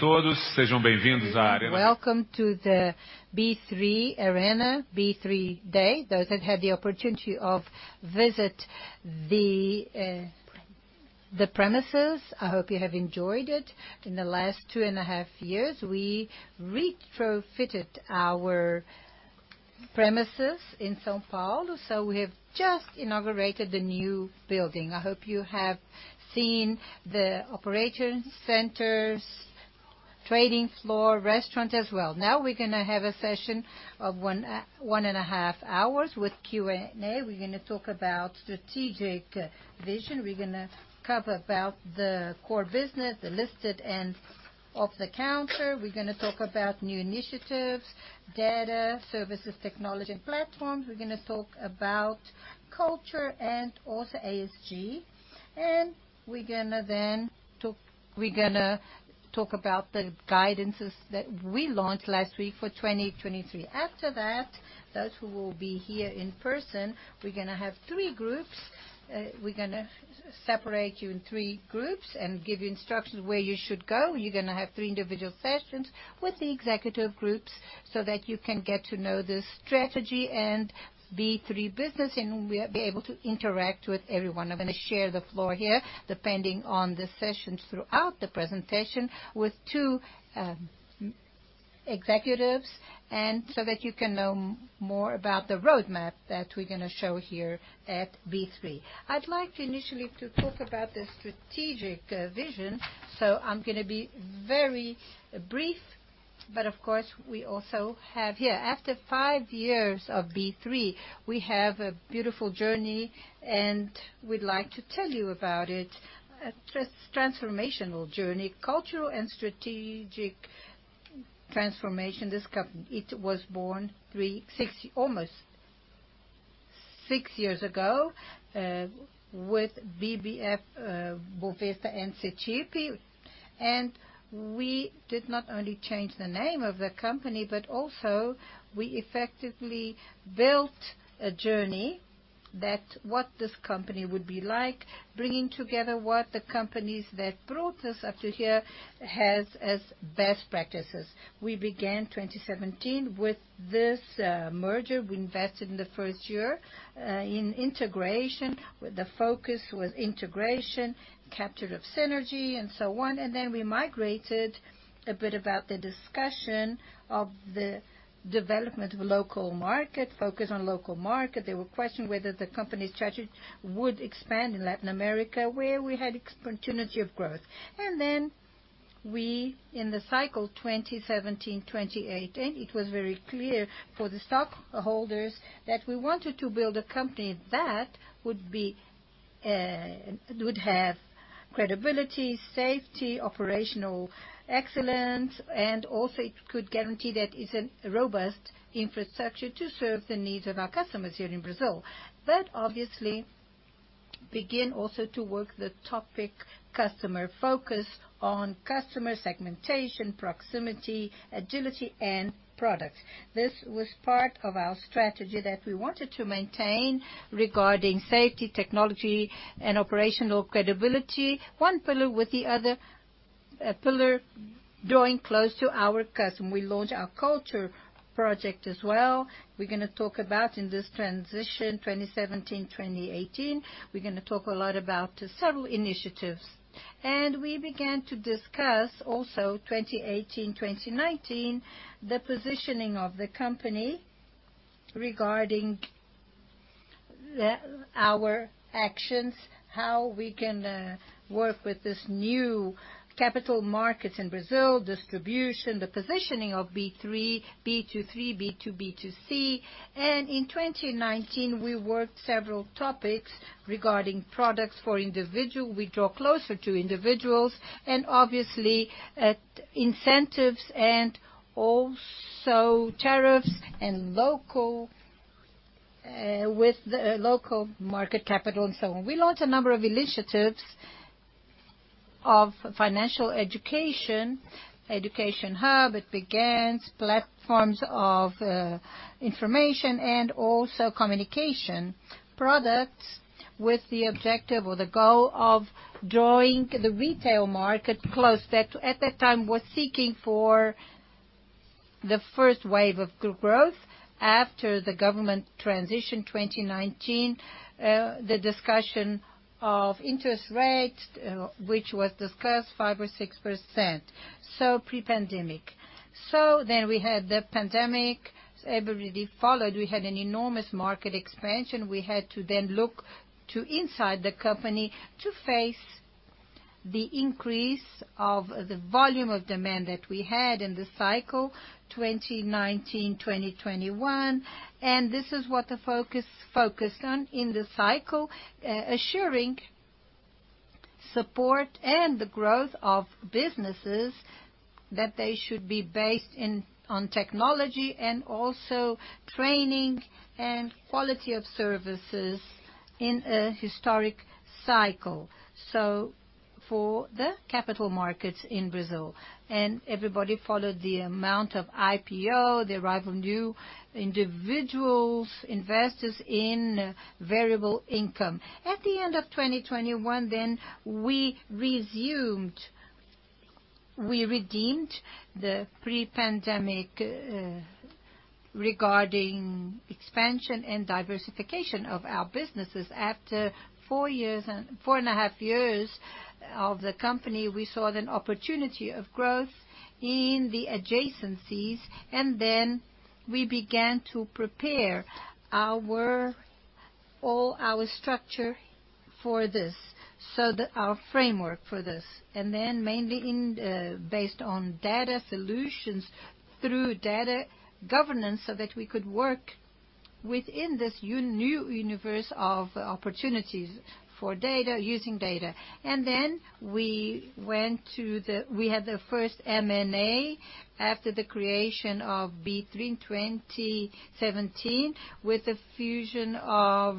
To all, sejam bem-vindos a arena. Welcome to the B3 arena, B3 day. Those that had the opportunity of visit the premises, I hope you have enjoyed it. In the last two and a half years, we retrofitted our premises in São Paulo, so we have just inaugurated the new building. I hope you have seen the operations centers, trading floor, restaurant as well. Now we're gonna have a session of one and a half hours with Q&A. We're gonna talk about strategic vision. We're gonna cover about the core business, the listed and off the counter. We're gonna talk about new initiatives, data, services, technology and platforms. We're gonna talk about culture and also ASG. We're gonna talk about the guidances that we launched last week for 2023. After that, those who will be here in person, we're gonna have three groups. We're gonna separate you in three groups and give you instructions where you should go. You're gonna have three individual sessions with the executive groups so that you can get to know the strategy and B3 business, and be able to interact with everyone. I'm gonna share the floor here, depending on the sessions throughout the presentation with two executives and so that you can know more about the roadmap that we're gonna show here at B3. I'd like to initially to talk about the strategic vision, so I'm gonna be very brief, but of course, we also have here. After five years of B3, we have a beautiful journey, and we'd like to tell you about it. A transformational journey, cultural and strategic transformation. This company, it was born almost six years ago with BM&FBOVESPA and CETIP. We did not only change the name of the company, but also we effectively built a journey that what this company would be like, bringing together what the companies that brought us up to here has as best practices. We began 2017 with this merger. We invested in the first year in integration. The focus was integration, capture of synergy and so on. We migrated a bit about the discussion of the development of local market, focus on local market. There were question whether the company's strategy would expand in Latin America, where we had opportunity of growth. We, in the cycle 2017, 2018, it was very clear for the stockholders that we wanted to build a company that would be, would have credibility, safety, operational excellence, and also it could guarantee that it's a robust infrastructure to serve the needs of our customers here in Brazil. Obviously begin also to work the topic customer focus on customer segmentation, proximity, agility and products. This was part of our strategy that we wanted to maintain regarding safety, technology and operational credibility. One pillar with the other pillar drawing close to our customer. We launched our culture project as well. We're gonna talk about in this transition, 2017, 2018. We're gonna talk a lot about several initiatives. We began to discuss also, 2018, 2019, the positioning of the company regarding our actions, how we can work with this new capital markets in Brazil, distribution, the positioning of B3, B2B2C. In 2019, we worked several topics regarding products for individual. We draw closer to individuals and obviously, incentives and also tariffs and local, with the local market capital and so on. We launched a number of initiatives of financial education hub. It began platforms of information and also communication products with the objective or the goal of drawing the retail market close that at that time was seeking for the first wave of growth after the government transition, 2019, the discussion of interest rates, which was discussed 5% or 6%, pre-pandemic. We had the pandemic, everybody followed. We had an enormous market expansion. We had to then look to inside the company to face the increase of the volume of demand that we had in the cycle 2019, 2021. This is what the focus focused on in the cycle, assuring support and the growth of businesses that they should be based on technology and also training and quality of services in a historic cycle. For the capital markets in Brazil, and everybody followed the amount of IPO, the arrival of new individuals, investors in variable income. At the end of 2021 then, we resumed the pre-pandemic regarding expansion and diversification of our businesses. After four and a half years of the company, we saw an opportunity of growth in the adjacencies, we began to prepare our. All our structure for this, so that our framework for this, mainly based on data solutions through data governance, so that we could work within this un-new universe of opportunities for data using data. We had the first M&A after the creation of B3 in 2017 with the fusion of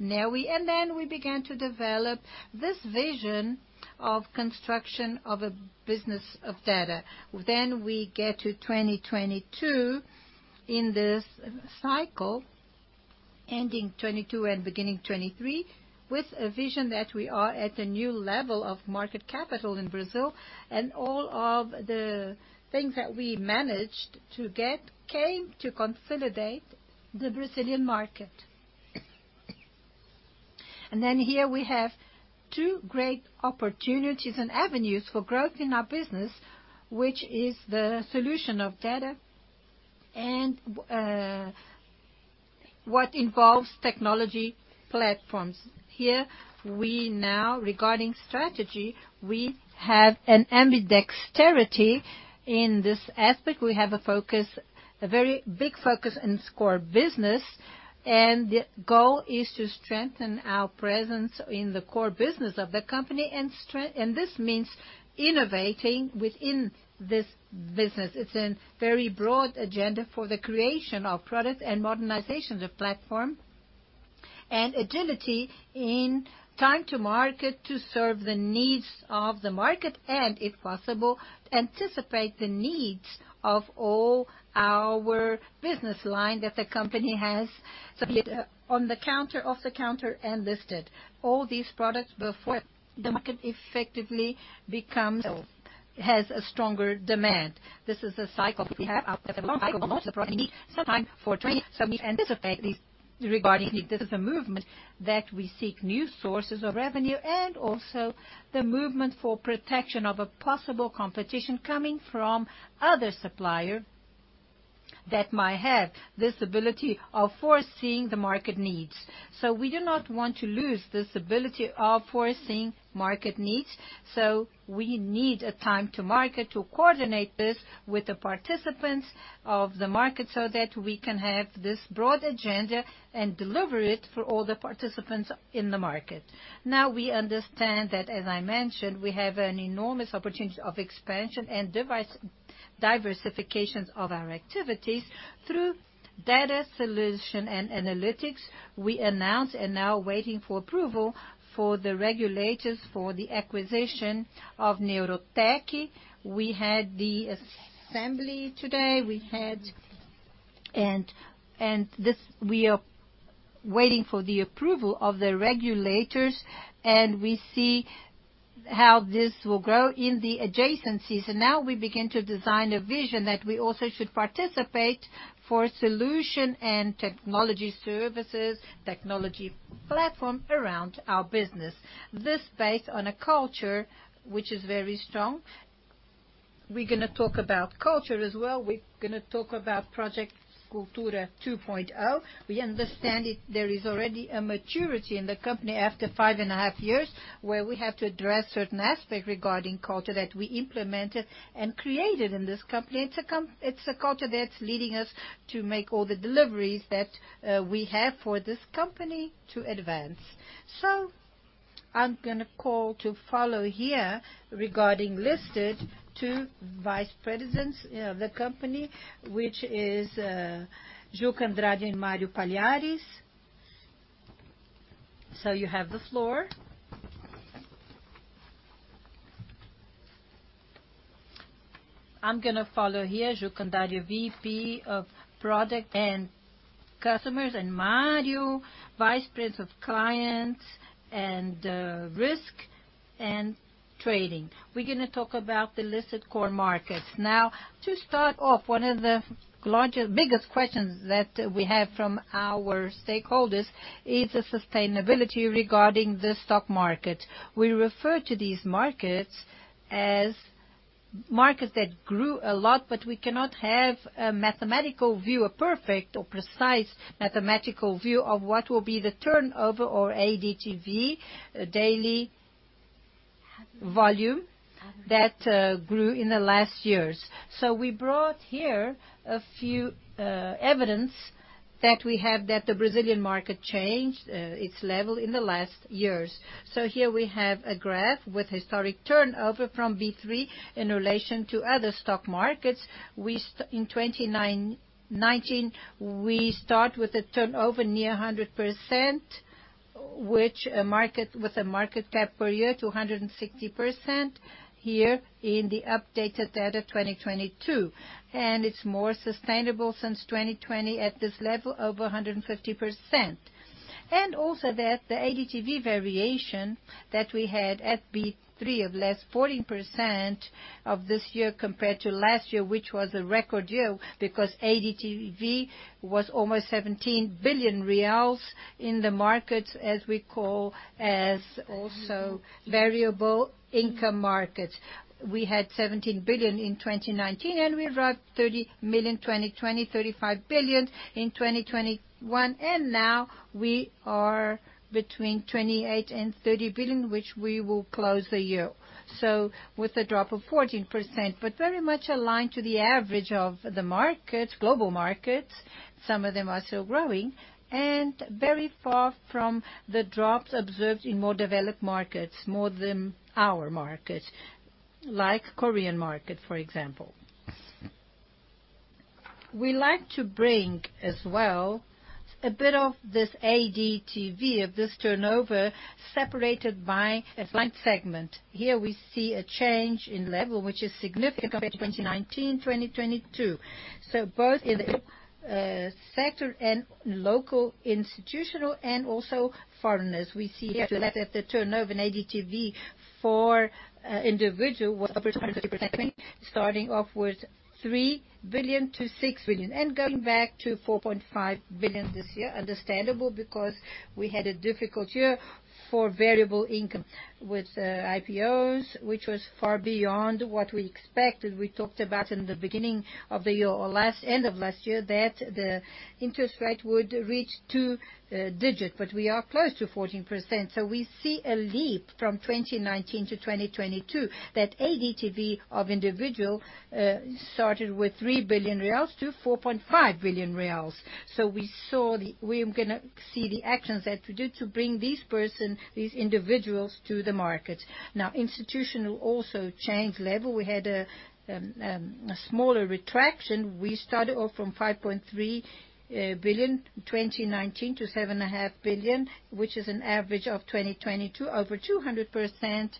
Neoway. We began to develop this vision of construction of a business of data. We get to 2022 in this cycle, ending 2022 and beginning 2023, with a vision that we are at a new level of market capital in Brazil. All of the things that we managed to get came to consolidate the Brazilian market. Here we have two great opportunities and avenues for growth in our business, which is the solution of data and what involves technology platforms. Regarding strategy, we have an ambidexterity in this aspect. We have a focus, a very big focus in core business. The goal is to strengthen our presence in the core business of the company and this means innovating within this business. It's a very broad agenda for the creation of product and modernizations of platform and agility in time to market to serve the needs of the market, and if possible, anticipate the needs of all our business line that the company has on the counter, off the counter, and listed. All these products before the market effectively has a stronger demand. This is a cycle we have I'm going to follow here, Juca Andrade, VP of Product and Customers, and Mario, Vice President of Clients and Risk and Trading. We're going to talk about the listed core markets. To start off, one of the biggest questions that we have from our stakeholders is the sustainability regarding the stock market. We refer to these markets as markets that grew a lot, we cannot have a mathematical view, a perfect or precise mathematical view of what will be the turnover or ADTV daily volume that grew in the last years. We brought here a few evidence that we have that the Brazilian market changed its level in the last years. Here we have a graph with historic turnover from B3 in relation to other stock markets. In 2019, we start with a turnover near 100%, which a market with a market cap per year to 160% here in the updated data, 2022. It's more sustainable since 2020 at this level, over 150%. Also that the ADTV variation that we had at B3 of -14% of this year compared to last year, which was a record year because ADTV was almost 17 billion reais in the markets as we call, as also variable income markets. We had 17 billion in 2019, and we dropped 30 million in 2020, 35 billion in 2021, and now we are between 28 billion and 30 billion, which we will close the year, so with a drop of 14%. Very much aligned to the average of the markets, global markets, some of them are still growing and very far from the drops observed in more developed markets, more than our market, like Korean market, for example. We like to bring as well a bit of this ADTV of this turnover separated by a client segment. Here we see a change in level which is significant compared to 2019, 2022. Both in the sector and local institutional and also foreigners. We see here that the turnover in ADTV for individual was over 200%, starting off with 3 billion to 6 billion and going back to 4.5 billion this year. Understandable because we had a difficult year for variable income with IPOs, which was far beyond what we expected. We talked about in the beginning of the year or end of last year that the interest rate would reach 2-digit, but we are close to 14%. We see a leap from 2019 to 2022 that ADTV of individual started with 3 billion reais to 4.5 billion reais. We are gonna see the actions that we do to bring these person, these individuals to the market. Institutional also changed level. We had a smaller retraction. We started off from 5.3 billion in 2019 to 7.5 billion, which is an average of 2022, over 200%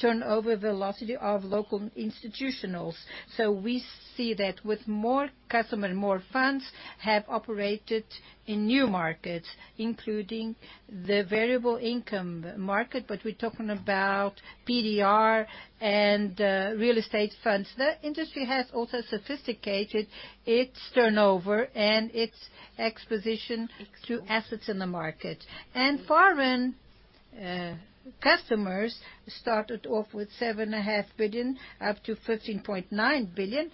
turnover velocity of local institutionals. We see that with more customer, more funds have operated in new markets, including the variable income market, but we're talking about BDR and real estate funds. The industry has also sophisticated its turnover and its exposition through assets in the market. Foreign customers started off with seven and a half billion up to 15.9 billion.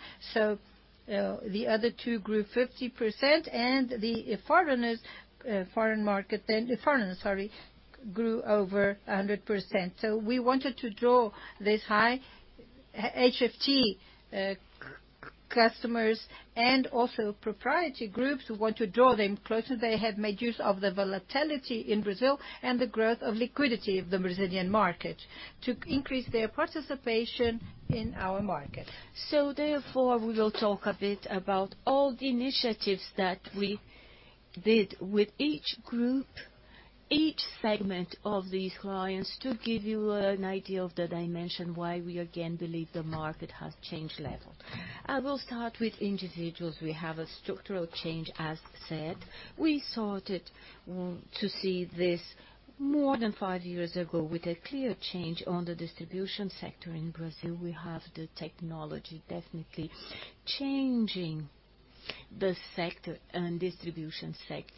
The other two grew 50% and the foreigners, sorry, grew over 100%. We wanted to draw this high HFT customers and also proprietary groups who want to draw them closer. They have made use of the volatility in Brazil and the growth of liquidity of the Brazilian market to increase their participation in our market. Therefore, we will talk a bit about all the initiatives that we did with each group, each segment of these clients to give you an idea of the dimension, why we again believe the market has changed level. I will start with individuals. We have a structural change, as said. We started to see this more than five years ago with a clear change on the distribution sector in Brazil. We have the technology definitely changing the sector and distribution sector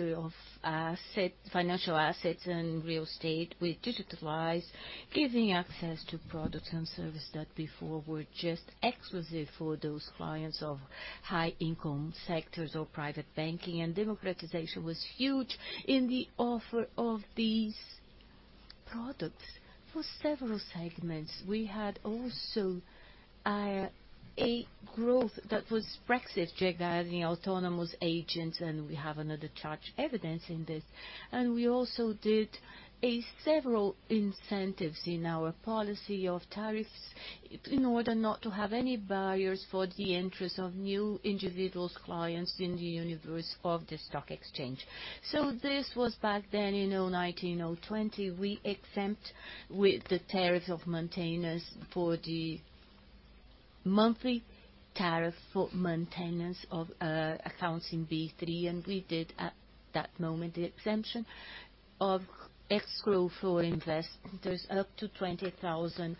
of asset, financial assets in real estate. We digitalize, giving access to products and service that before were just exclusive for those clients of high income sectors or private banking. Democratization was huge in the offer of these products for several segments. We had also a growth that was Brexit regarding autonomous agents, and we have another chart evidencing this. We also did a several incentives in our policy of tariffs in order not to have any barriers for the interest of new individuals, clients in the universe of the stock exchange. This was back then in 2019, 2020. We exempt with the tariff of maintainers for the monthly tariff for maintenance of accounts in B3, and we did at that moment the exemption of escrow for investors up to 20,000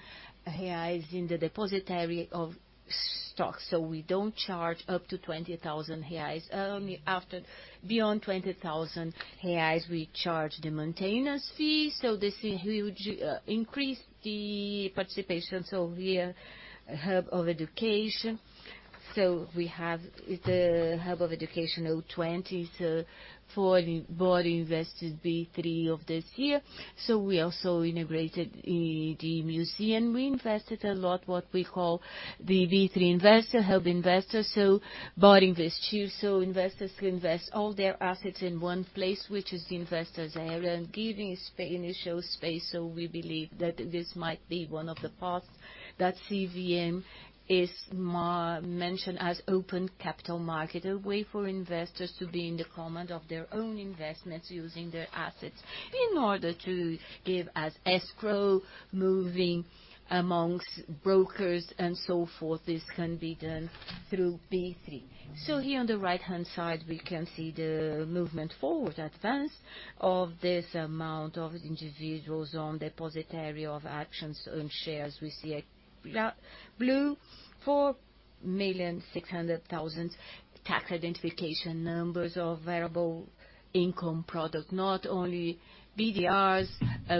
reais in the depositary of stock. We don't charge up to 20,000 reais. Only after, beyond 20,000 reais, we charge the maintenance fee. This is huge, increase the participation. We hub of education. We have the hub of education oh twenty. For Bora Investir B3 of this year. We also integrated the museum. We invested a lot what we call the B3 investor, hub investor, so Bora Investir. Investors can invest all their assets in one place, which is the investor's area and giving initial space. We believe that this might be one of the paths that CVM is mention as open capital market, a way for investors to be in the command of their own investments using their assets in order to give as escrow, moving amongst brokers and so forth. This can be done through B3. Here on the right-hand side, we can see the movement forward, advance of this amount of individuals on depositary of actions and shares. We see a blue for million tax identification numbers of variable income product, not only BDRs,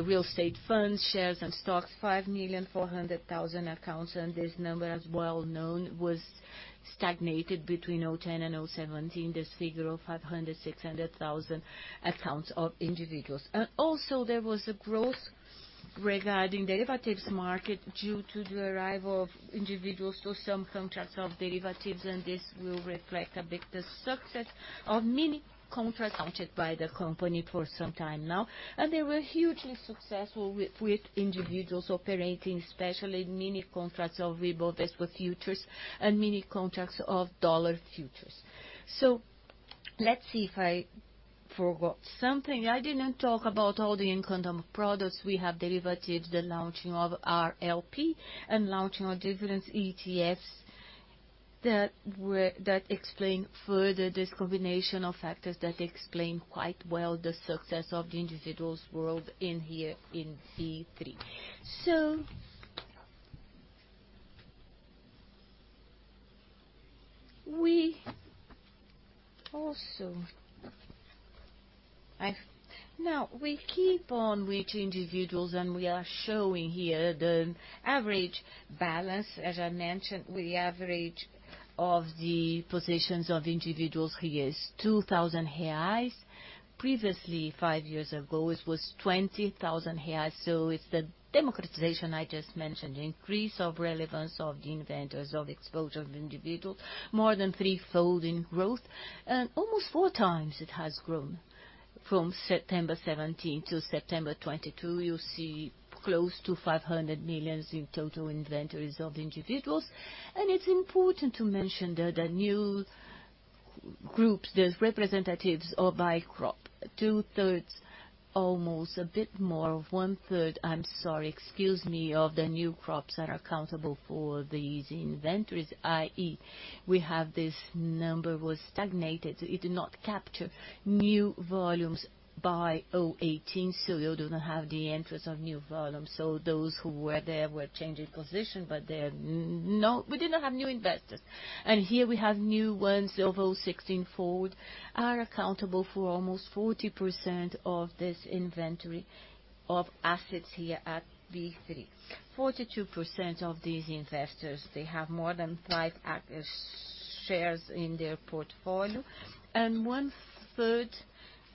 real estate funds, shares and stocks, 5.4 million accounts. This number, as well known, was stagnated between 2010 and 2017. The figure of 500,000-600,000 accounts of individuals. Also there was a growth regarding derivatives market due to the arrival of individuals to some contracts of derivatives, and this will reflect a bit the success of mini contracts counted by the company for some time now. They were hugely successful with individuals operating especially mini contracts of Ibovespa futures and mini contracts of dollar futures. Let's see if I forgot something. I didn't talk about all the income products. We have derivated the launching of our LP and launching of dividends, ETFs that explain further this combination of factors that explain quite well the success of the individuals world in here in B3. Now we keep on reaching individuals, and we are showing here the average balance. As I mentioned, we average of the positions of individuals here is 2,000 reais. Previously, five years ago, it was 20,000 reais. It's the democratization I just mentioned, increase of relevance of the inventors, of exposure of individual, more than 3-folding growth and almost 4 times it has grown. From September 2017 to September 2022, you see close to 500 million in total inventories of individuals. It's important to mention that the new groups, there's representatives of by crop, 2/3, almost a bit more of 1/3. I'm sorry, excuse me, of the new crops are accountable for these inventories, i.e., we have this number was stagnated, it did not capture new volumes by 2018. You do not have the entrance of new volumes. Those who were there were changing position. We did not have new investors. Here we have new ones over 16-fold, are accountable for almost 40% of this inventory of assets here at B3. 42% of these investors, they have more than five shares in their portfolio. One-third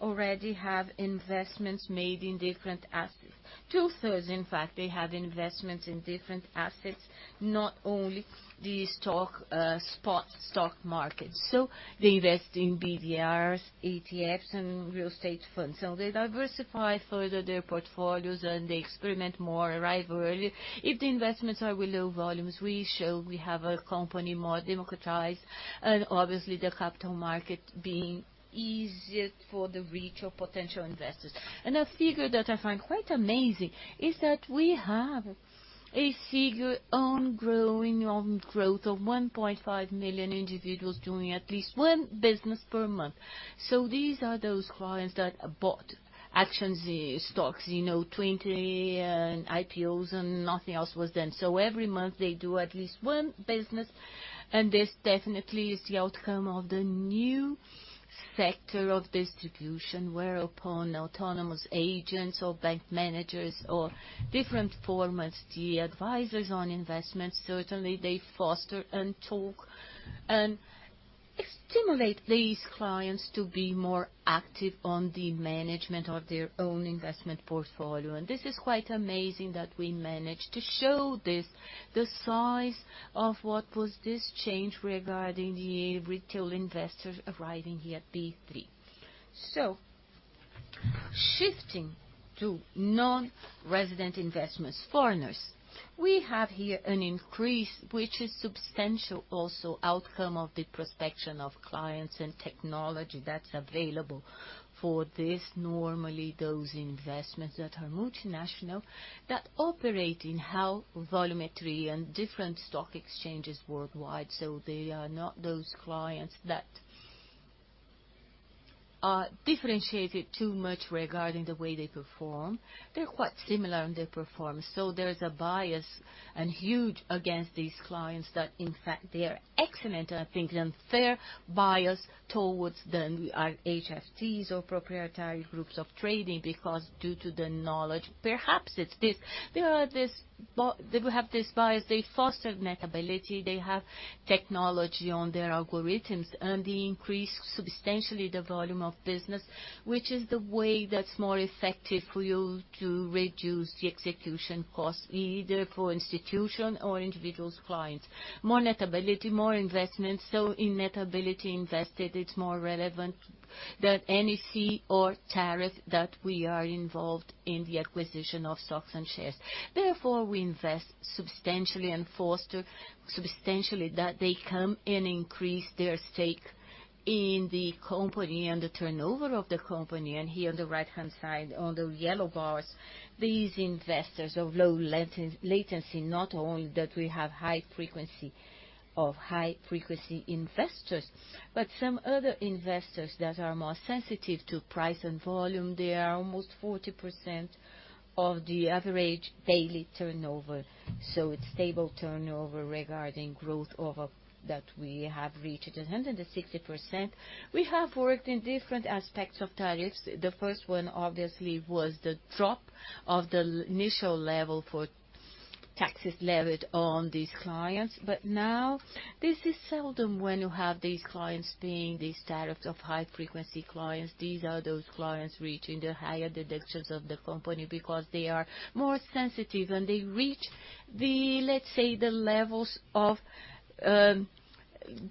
already have investments made in different assets. Two-thirds, in fact, they have investments in different assets, not only the stock spot stock market. They invest in BDRs, ETFs and real estate funds. They diversify further their portfolios and they experiment more arrive early. If the investments are with low volumes, we show we have a company more democratized and obviously the capital market being easier for the reach of potential investors. A figure that I find quite amazing is that we have a figure on growth of 1.5 million individuals doing at least one business per month. These are those clients that bought actions, stocks, you know, 20 IPOs and nothing else was done. Every month they do at least one business. This definitely is the outcome of the new sector of distribution where upon autonomous agents or bank managers or different form of the advisors on investments, certainly they foster and talk and stimulate these clients to be more active on the management of their own investment portfolio. This is quite amazing that we managed to show this, the size of what was this change regarding the retail investors arriving here at B3. Shifting to non-resident investments, foreigners. We have here an increase which is substantial, also outcome of the prospection of clients and technology that's available for this. Normally, those investments that are multinational, that operate in how volumetry and different stock exchanges worldwide, so they are not those clients that are differentiated too much regarding the way they perform. They're quite similar in their performance. There is a bias and huge against these clients that in fact they are excellent, I think, and fair bias towards them are HFTs or proprietary groups of trading because due to the knowledge, perhaps it's this. They will have this bias, they foster net ability, they have technology on their algorithms and they increase substantially the volume of business, which is the way that's more effective for you to reduce the execution costs, either for institution or individual's clients. More net ability, more investment. In net ability invested it's more relevant that any fee or tariff that we are involved in the acquisition of stocks and shares. We invest substantially and foster substantially that they come and increase their stake in the company and the turnover of the company. Here on the right-hand side, on the yellow bars, these investors of low latency, not only that we have high frequency investors, but some other investors that are more sensitive to price and volume, they are almost 40% of the average daily turnover. It's stable turnover regarding growth. That we have reached 160%. We have worked in different aspects of tariffs. The first one obviously was the drop of the initial level for taxes levied on these clients. Now this is seldom when you have these clients paying these tariffs of high frequency clients. These are those clients reaching the higher deductions of the company because they are more sensitive and they reach the, let's say, the levels of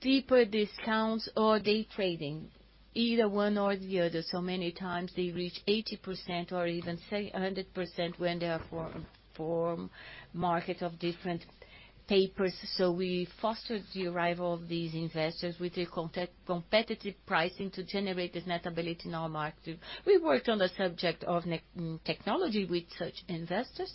deeper discounts or day trading, either one or the other. Many times they reach 80% or even say, 100% when they are form market of different papers. We fostered the arrival of these investors with a competitive pricing to generate this net ability in our market. We worked on the subject of technology with such investors.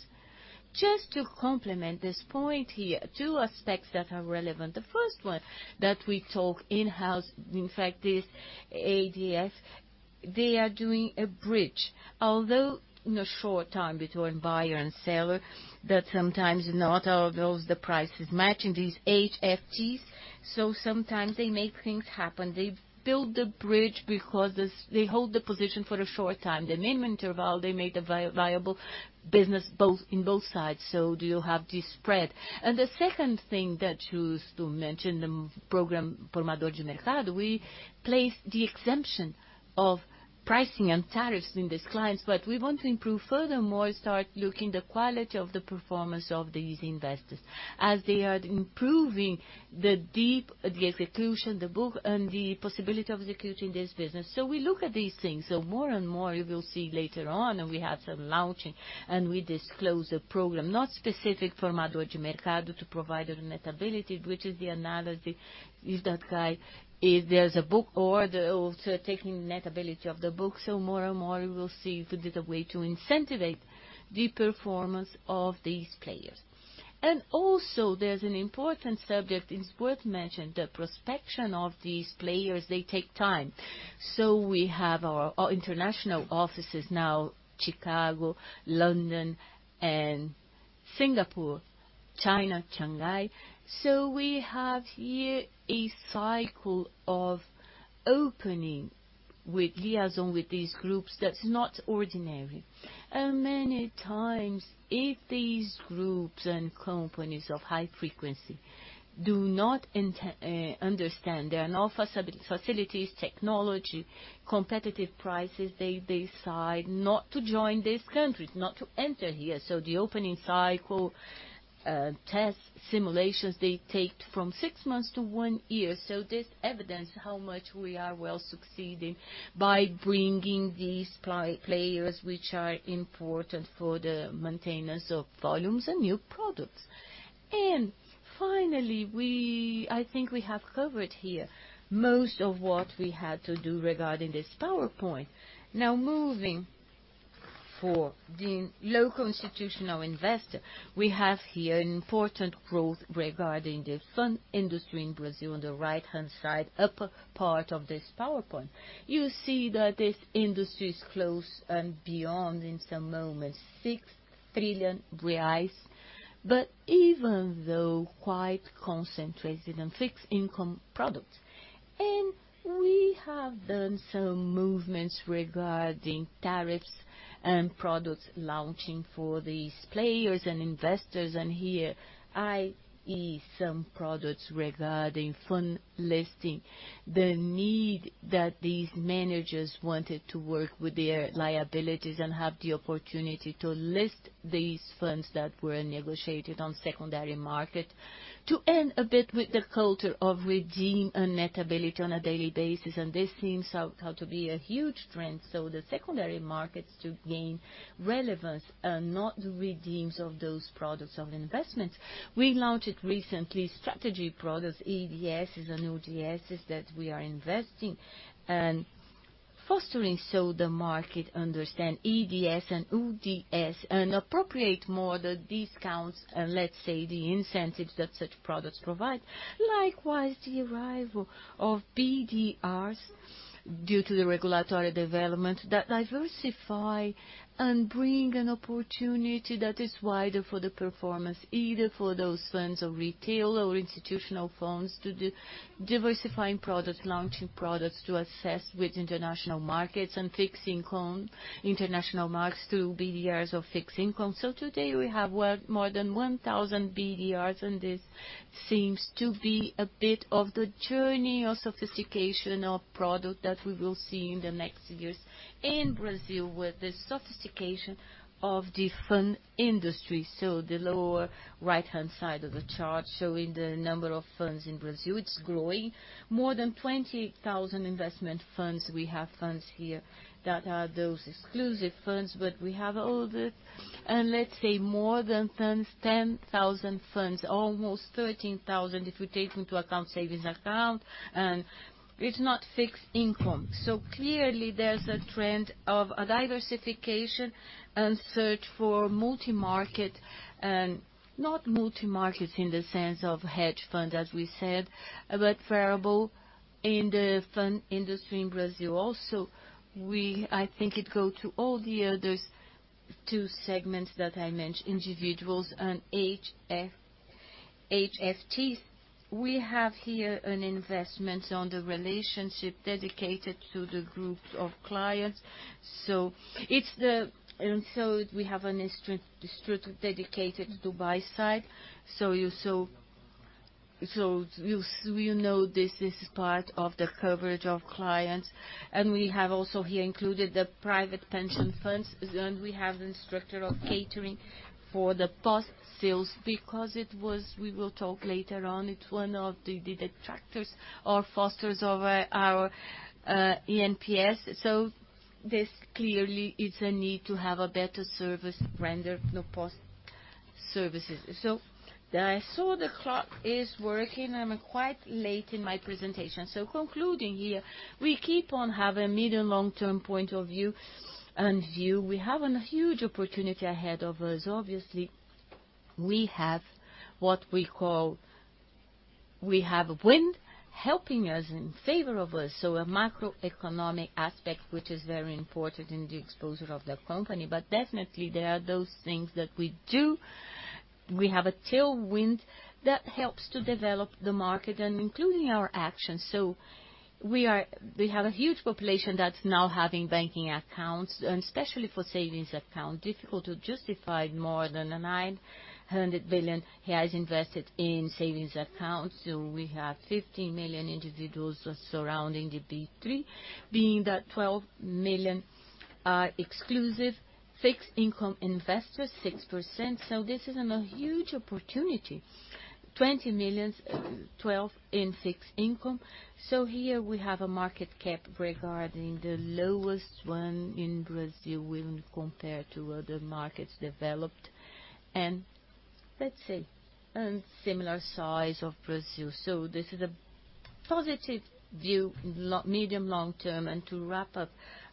Just to complement this point here, two aspects that are relevant. The first one that we talk in-house, in fact, this ADF, they are doing a bridge, although in a short time between buyer and seller, that sometimes not all those the prices matching these HFTs. Sometimes they make things happen. They build the bridge because this, they hold the position for a short time. The minimum interval, they make the viable business both, in both sides. Do you have this spread? The second thing that you used to mention, the program Formador de Mercado, we place the exemption of pricing and tariffs in these clients, but we want to improve furthermore, start looking the quality of the performance of these investors as they are improving the deep, the execution, the book, and the possibility of executing this business. We look at these things, so more and more you will see later on, and we have some launching, and we disclose the program, not specific Formador de Mercado to provide a net ability, which is the analogy if that guy, if there's a book order also taking net ability of the book. More and more we will see if there's a way to incentivize the performance of these players. Also there's an important subject, it's worth mentioning, the prospection of these players, they take time. We have our international offices now, Chicago, London and Singapore, China, Shanghai. We have here a cycle of opening with liaison with these groups that's not ordinary. Many times, if these groups and companies of high frequency do not understand, there are no facilities, technology, competitive prices, they decide not to join these countries, not to enter here. The opening cycle, test simulations, they take from 6 months to 1 year. This evidence how much we are well succeeding by bringing these players, which are important for the maintenance of volumes and new products. Finally, we, I think we have covered here most of what we had to do regarding this PowerPoint. Moving for the local institutional investor, we have here an important growth regarding the fund industry in Brazil. On the right-hand side, upper part of this PowerPoint, you see that this industry is close and beyond in some moments, 6 trillion reais, even though quite concentrated on fixed income products. We have done some movements regarding tariffs and products launching for these players and investors. Here I.e., some products regarding fund listing, the need that these managers wanted to work with their liabilities and have the opportunity to list these funds that were negotiated on secondary market to end a bit with the culture of redeem and net ability on a daily basis, this seems so-to be a huge trend. The secondary markets to gain relevance and not the redeems of those products of investments. We launched recently strategy products, EDSs and ODSs that we are investing and fostering so the market understand EDS and ODS and appropriate more the discounts and let's say the incentives that such products provide. Likewise, the arrival of BDRs due to the regulatory development that diversify and bring an opportunity that is wider for the performance, either for those funds of retail or institutional funds to diversifying products, launching products to assess with international markets and fixed income, international markets through BDRs of fixed income. Today we have, what, more than 1,000 BDRs, and this seems to be a bit of the journey of sophistication of product that we will see in the next years in Brazil with the sophistication of the fund industry. The lower right-hand side of the chart showing the number of funds in Brazil, it's growing. More than 20,000 investment funds. We have funds here that are those exclusive funds. We have all the, let's say more than 10,000 funds, almost 13,000 if we take into account savings account, and it's not fixed income. Clearly there's a trend of a diversification and search for multi-market and not multi-markets in the sense of hedge fund, as we said, but variable in the fund industry in Brazil. Also, we, I think it go to all the other two segments that I mentioned, individuals and HFTs. We have here an investment on the relationship dedicated to the group of clients. It's the. We have an institute dedicated to buy side. You know, this is part of the coverage of clients, and we have also here included the private pension funds. We have instructor of catering for the post-sales because we will talk later on, it's one of the detractors or fosters of our eNPS. This clearly is a need to have a better service rendered, the post services. I saw the clock is working. I'm quite late in my presentation. Concluding here, we keep on have a medium, long-term point of view and view. We have a huge opportunity ahead of us. Obviously, we have what we call we have wind helping us in favor of us. A macroeconomic aspect which is very important in the exposure of the company. Definitely there are those things that we do. We have a tailwind that helps to develop the market and including our actions. We have a huge population that's now having banking accounts and especially for savings account, difficult to justify more than 900 billion invested in savings accounts. We have 15 million individuals surrounding the B3, being that 12 million are exclusive fixed income investors, 6%. This is a huge opportunity. 20 million, 12 in fixed income. Here we have a market cap regarding the lowest one in Brazil when compared to other markets developed and let's say, and similar size of Brazil. This is a positive view in medium, long-term. To wrap up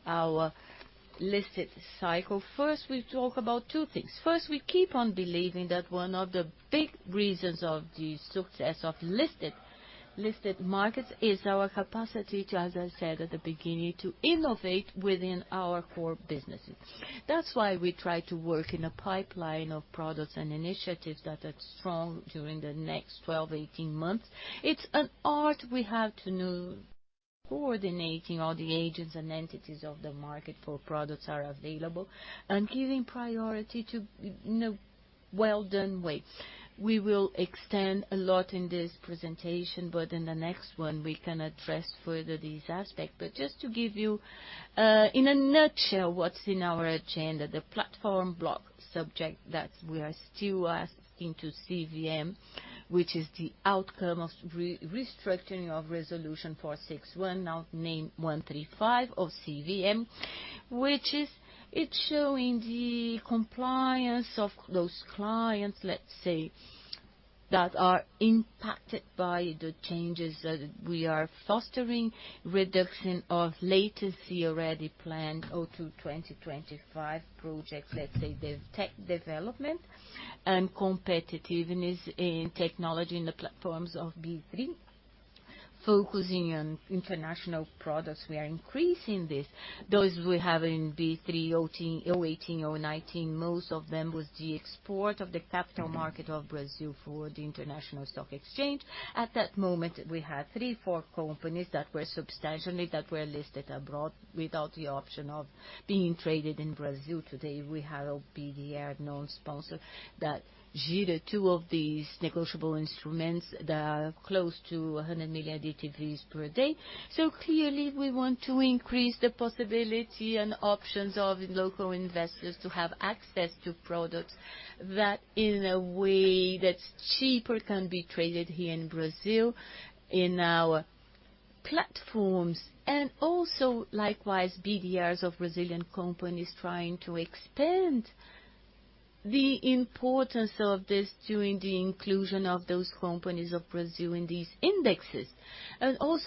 our listed cycle, first we talk about two things. First, we keep on believing that one of the big reasons of the success of listed markets is our capacity to, as I said at the beginning, to innovate within our core businesses. That's why we try to work in a pipeline of products and initiatives that are strong during the next 12, 18 months. It's an art we have to know, coordinating all the agents and entities of the market for products are available and giving priority to, you know, well done waits. We will extend a lot in this presentation, but in the next one we can address further this aspect. Just to give you in a nutshell what's in our agenda: the platform block subject that we are still asking to CVM, which is the outcome of re-restructuring of Resolution 461, now named 135 of CVM. It's showing the compliance of those clients, let's say, that are impacted by the changes that we are fostering. Reduction of latency already planned or through 2025 projects, let's say tech development and competitiveness in technology in the platforms of B3. Focusing on international products, we are increasing this. Those we have in B3, 018, 019, most of them was the export of the capital market of Brazil for the international stock exchange. At that moment we had three, four companies that were substantially listed abroad without the option of being traded in Brazil. Today we have BDR non-sponsored that two of these negotiable instruments that are close to 100 million ADTVs per day. Clearly we want to increase the possibility and options of local investors to have access to products that in a way that's cheaper can be traded here in Brazil, in our platforms. Likewise BDRs of Brazilian companies trying to expand the importance of this during the inclusion of those companies of Brazil in these indexes.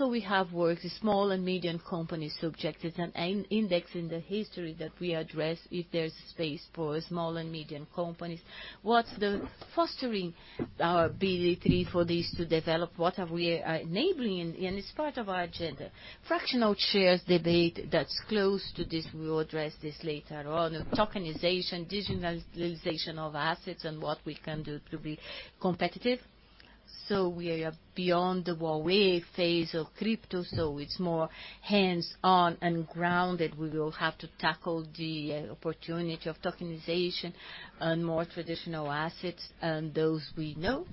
We have worked with small and medium companies subjected an in-index in the history that we address if there's space for small and medium companies. What's the fostering our B3 for this to develop? What are we enabling? It's part of our agenda. Fractional shares debate that's close to this, we will address this later on. Tokenization, digitalization of assets and what we can do to be competitive. We are beyond the hype phase of crypto, it's more hands-on and grounded. We will have to tackle the opportunity of tokenization on more traditional assets and those we know.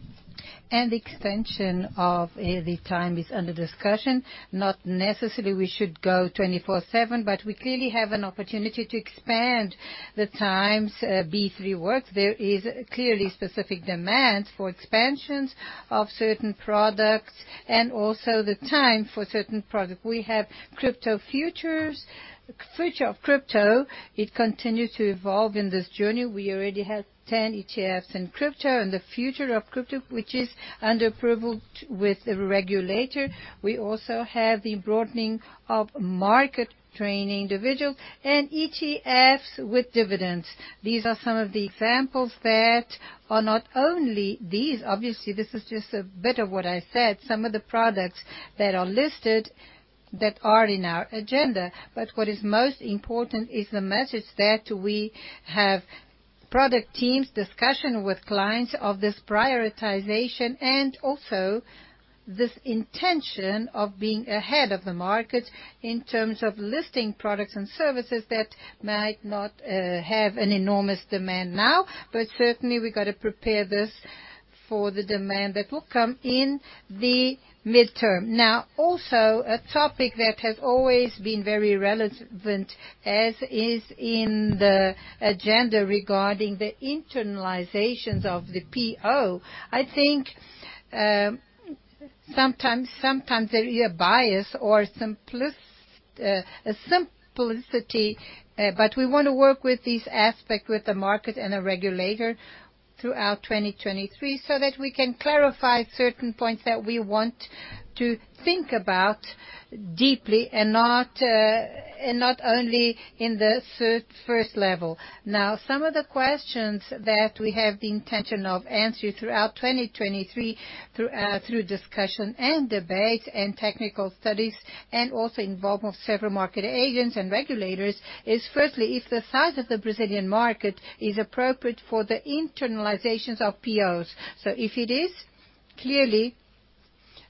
Extension of the time is under discussion. Not necessarily we should go 24/7, but we clearly have an opportunity to expand the times B3 works. There is clearly specific demands for expansions of certain products and also the time for certain products. We have crypto futures, future of crypto. It continues to evolve in this journey. We already have 10 ETFs in crypto and the future of crypto, which is under approval with the regulator. We also have the broadening of market training individuals and ETFs with dividends. These are some of the examples that are not only these. Obviously, this is just a bit of what I said. Some of the products that are listed. That are in our agenda. What is most important is the message that we have product teams discussion with clients of this prioritization and also this intention of being ahead of the market in terms of listing products and services that might not have an enormous demand now, but certainly we got to prepare this for the demand that will come in the midterm. Also a topic that has always been very relevant, as is in the agenda regarding the internalizations of the PO. I think, sometimes there is a bias or a simplicity, we want to work with this aspect, with the market and the regulator throughout 2023 so that we can clarify certain points that we want to think about deeply and not only in the first level. Some of the questions that we have the intention of answering throughout 2023 through discussion and debates and technical studies, and also involvement of several market agents and regulators, is firstly, if the size of the Brazilian market is appropriate for the internalizations of POs. If it is, clearly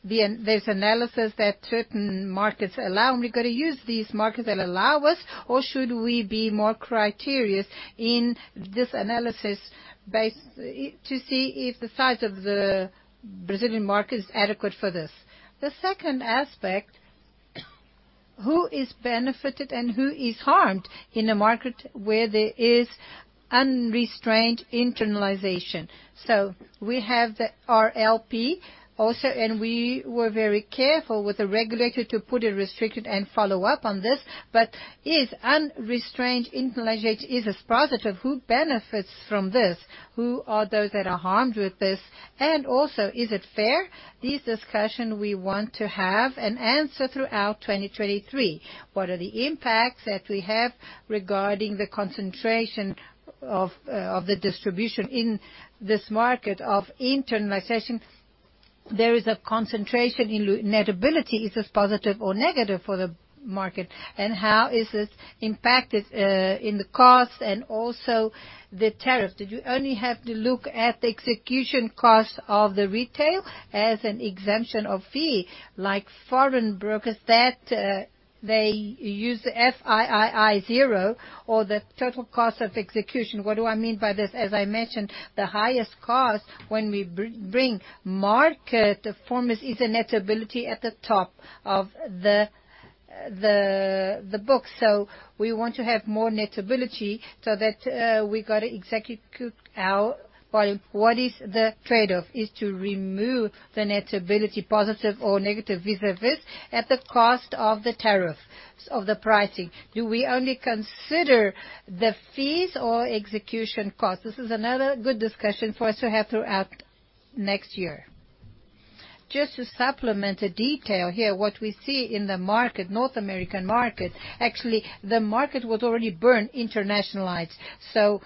the, there's analysis that certain markets allow, and we're gonna use these markets that allow us, or should we be more criterious in this analysis base to see if the size of the Brazilian market is adequate for this. The second aspect, who is benefited and who is harmed in a market where there is unrestrained internalization? We have the RLP also, and we were very careful with the regulator to put it restricted and follow up on this. If unrestrained internalization is as positive, who benefits from this? Who are those that are harmed with this? Is it fair? This discussion we want to have an answer throughout 2023. What are the impacts that we have regarding the concentration of the distribution in this market of internalization? There is a concentration in net ability. Is this positive or negative for the market? How is this impacted in the cost and also the tariff? Did you only have to look at the execution costs of the retail as an exemption of fee, like foreign brokers that they use FIX zero or the total cost of execution. What do I mean by this? As I mentioned, the highest cost when we bring market performance is a net ability at the top of the book. We want to have more net ability so that we got to execute our volume. What is the trade-off? Is to remove the net ability, positive or negative vis-a-vis at the cost of the tariff, of the pricing. Do we only consider the fees or execution costs? This is another good discussion for us to have throughout next year. Just to supplement a detail here, what we see in the market, North American market, actually the market was already born internationalized, so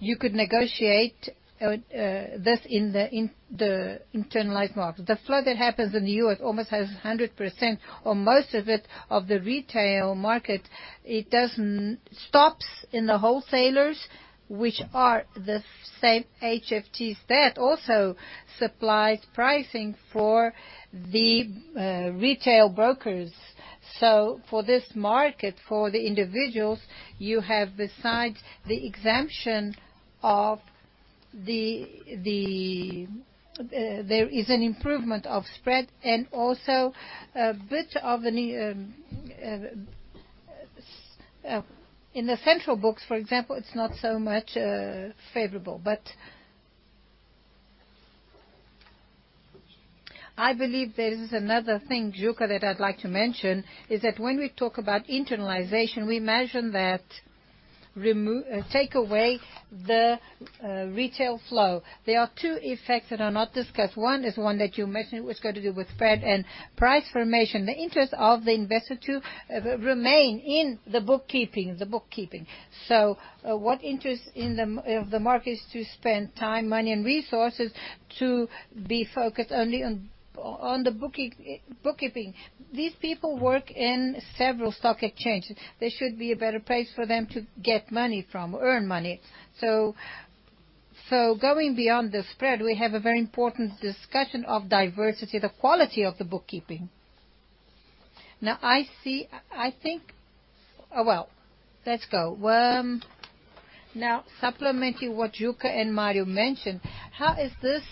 you could negotiate this in the internalized market. The flow that happens in the US almost has 100% or most of it, of the retail market, it doesn't stops in the wholesalers, which are the same HFTs that also supplies pricing for the retail brokers. For this market, for the individuals you have besides the exemption of the, there is an improvement of spread and also a bit of the in the central books, for example, it's not so much favorable. I believe there is another thing, Juca, that I'd like to mention, is that when we talk about internalization, we imagine that take away the retail flow. There are two effects that are not discussed. One is one that you mentioned, which got to do with spread and price formation, the interest of the investor to re-remain in the bookkeeping. What interest in the market is to spend time, money and resources to be focused only on the bookkeeping. These people work in several stock exchanges. There should be a better place for them to get money from or earn money. Going beyond the spread, we have a very important discussion of diversity, the quality of the bookkeeping. I see, I think. Well, let's go. Supplementing what Juca and Mario mentioned, how is this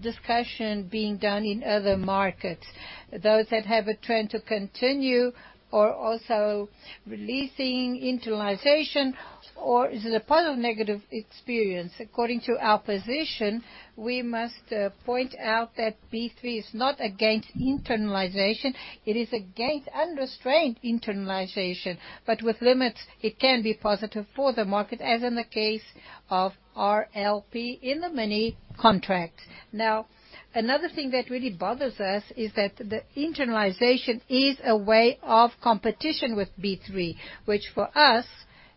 discussion being done in other markets? Those that have a trend to continue or also releasing internalization, or is it a positive negative experience? According to our position, we must point out that B3 is not against internalization. It is against unrestrained internalization, but with limits, it can be positive for the market, as in the case of RLP in the mini contracts. Another thing that really bothers us is that the internalization is a way of competition with B3, which for us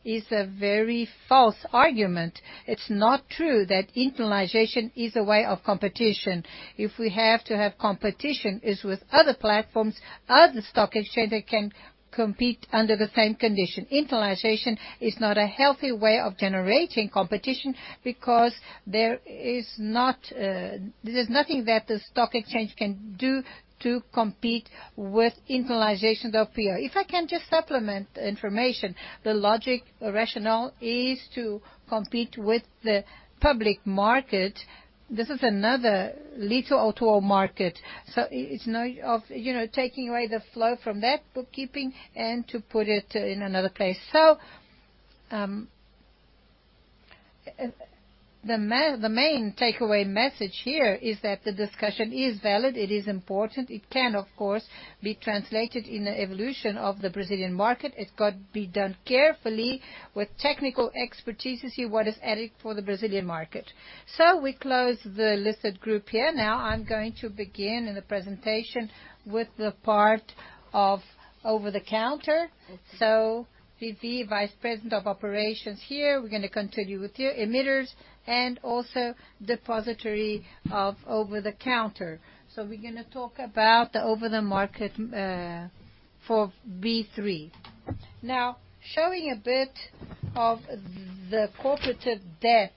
is a very false argument. It's not true that internalization is a way of competition. We have to have competition is with other platforms, other stock exchange that can compete under the same condition. Internalization is not a healthy way of generating competition because there is not, there's nothing that the stock exchange can do to compete with internalizations of PO. I can just supplement information. The logic rationale is to compete with the public market. This is another little auto market, it's no of, you know, taking away the flow from that bookkeeping and to put it in another place. The main takeaway message here is that the discussion is valid, it is important. It can, of course, be translated in the evolution of the Brazilian market. It's got to be done carefully with technical expertise to see what is added for the Brazilian market. We close the listed group here. Now I'm going to begin in the presentation with the part of over-the-counter. Vivi, Vice President of Operations here, we're gonna continue with your emitters and also depository of over-the-counter. We're gonna talk about the over-the-market for B3. Now, showing a bit of the corporate debt,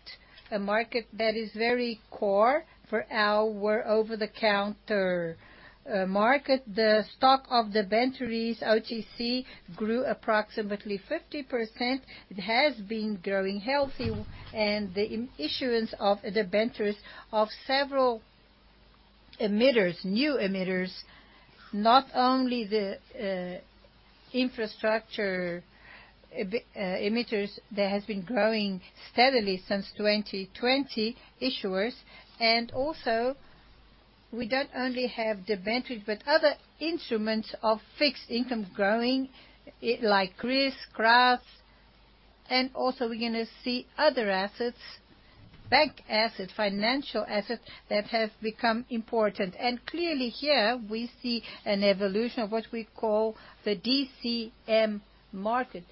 a market that is very core for our over-the-counter market. The stock of debentures OTC grew approximately 50%. It has been growing healthy and the issuance of debentures of several emitters, new emitters, not only the infrastructure emitters that has been growing steadily since 2020 issuers. We don't only have debentures, but other instruments of fixed income growing, like CRIs, CRAs, and also we're gonna see other assets, bank assets, financial assets that have become important. Clearly here we see an evolution of what we call the DCM market,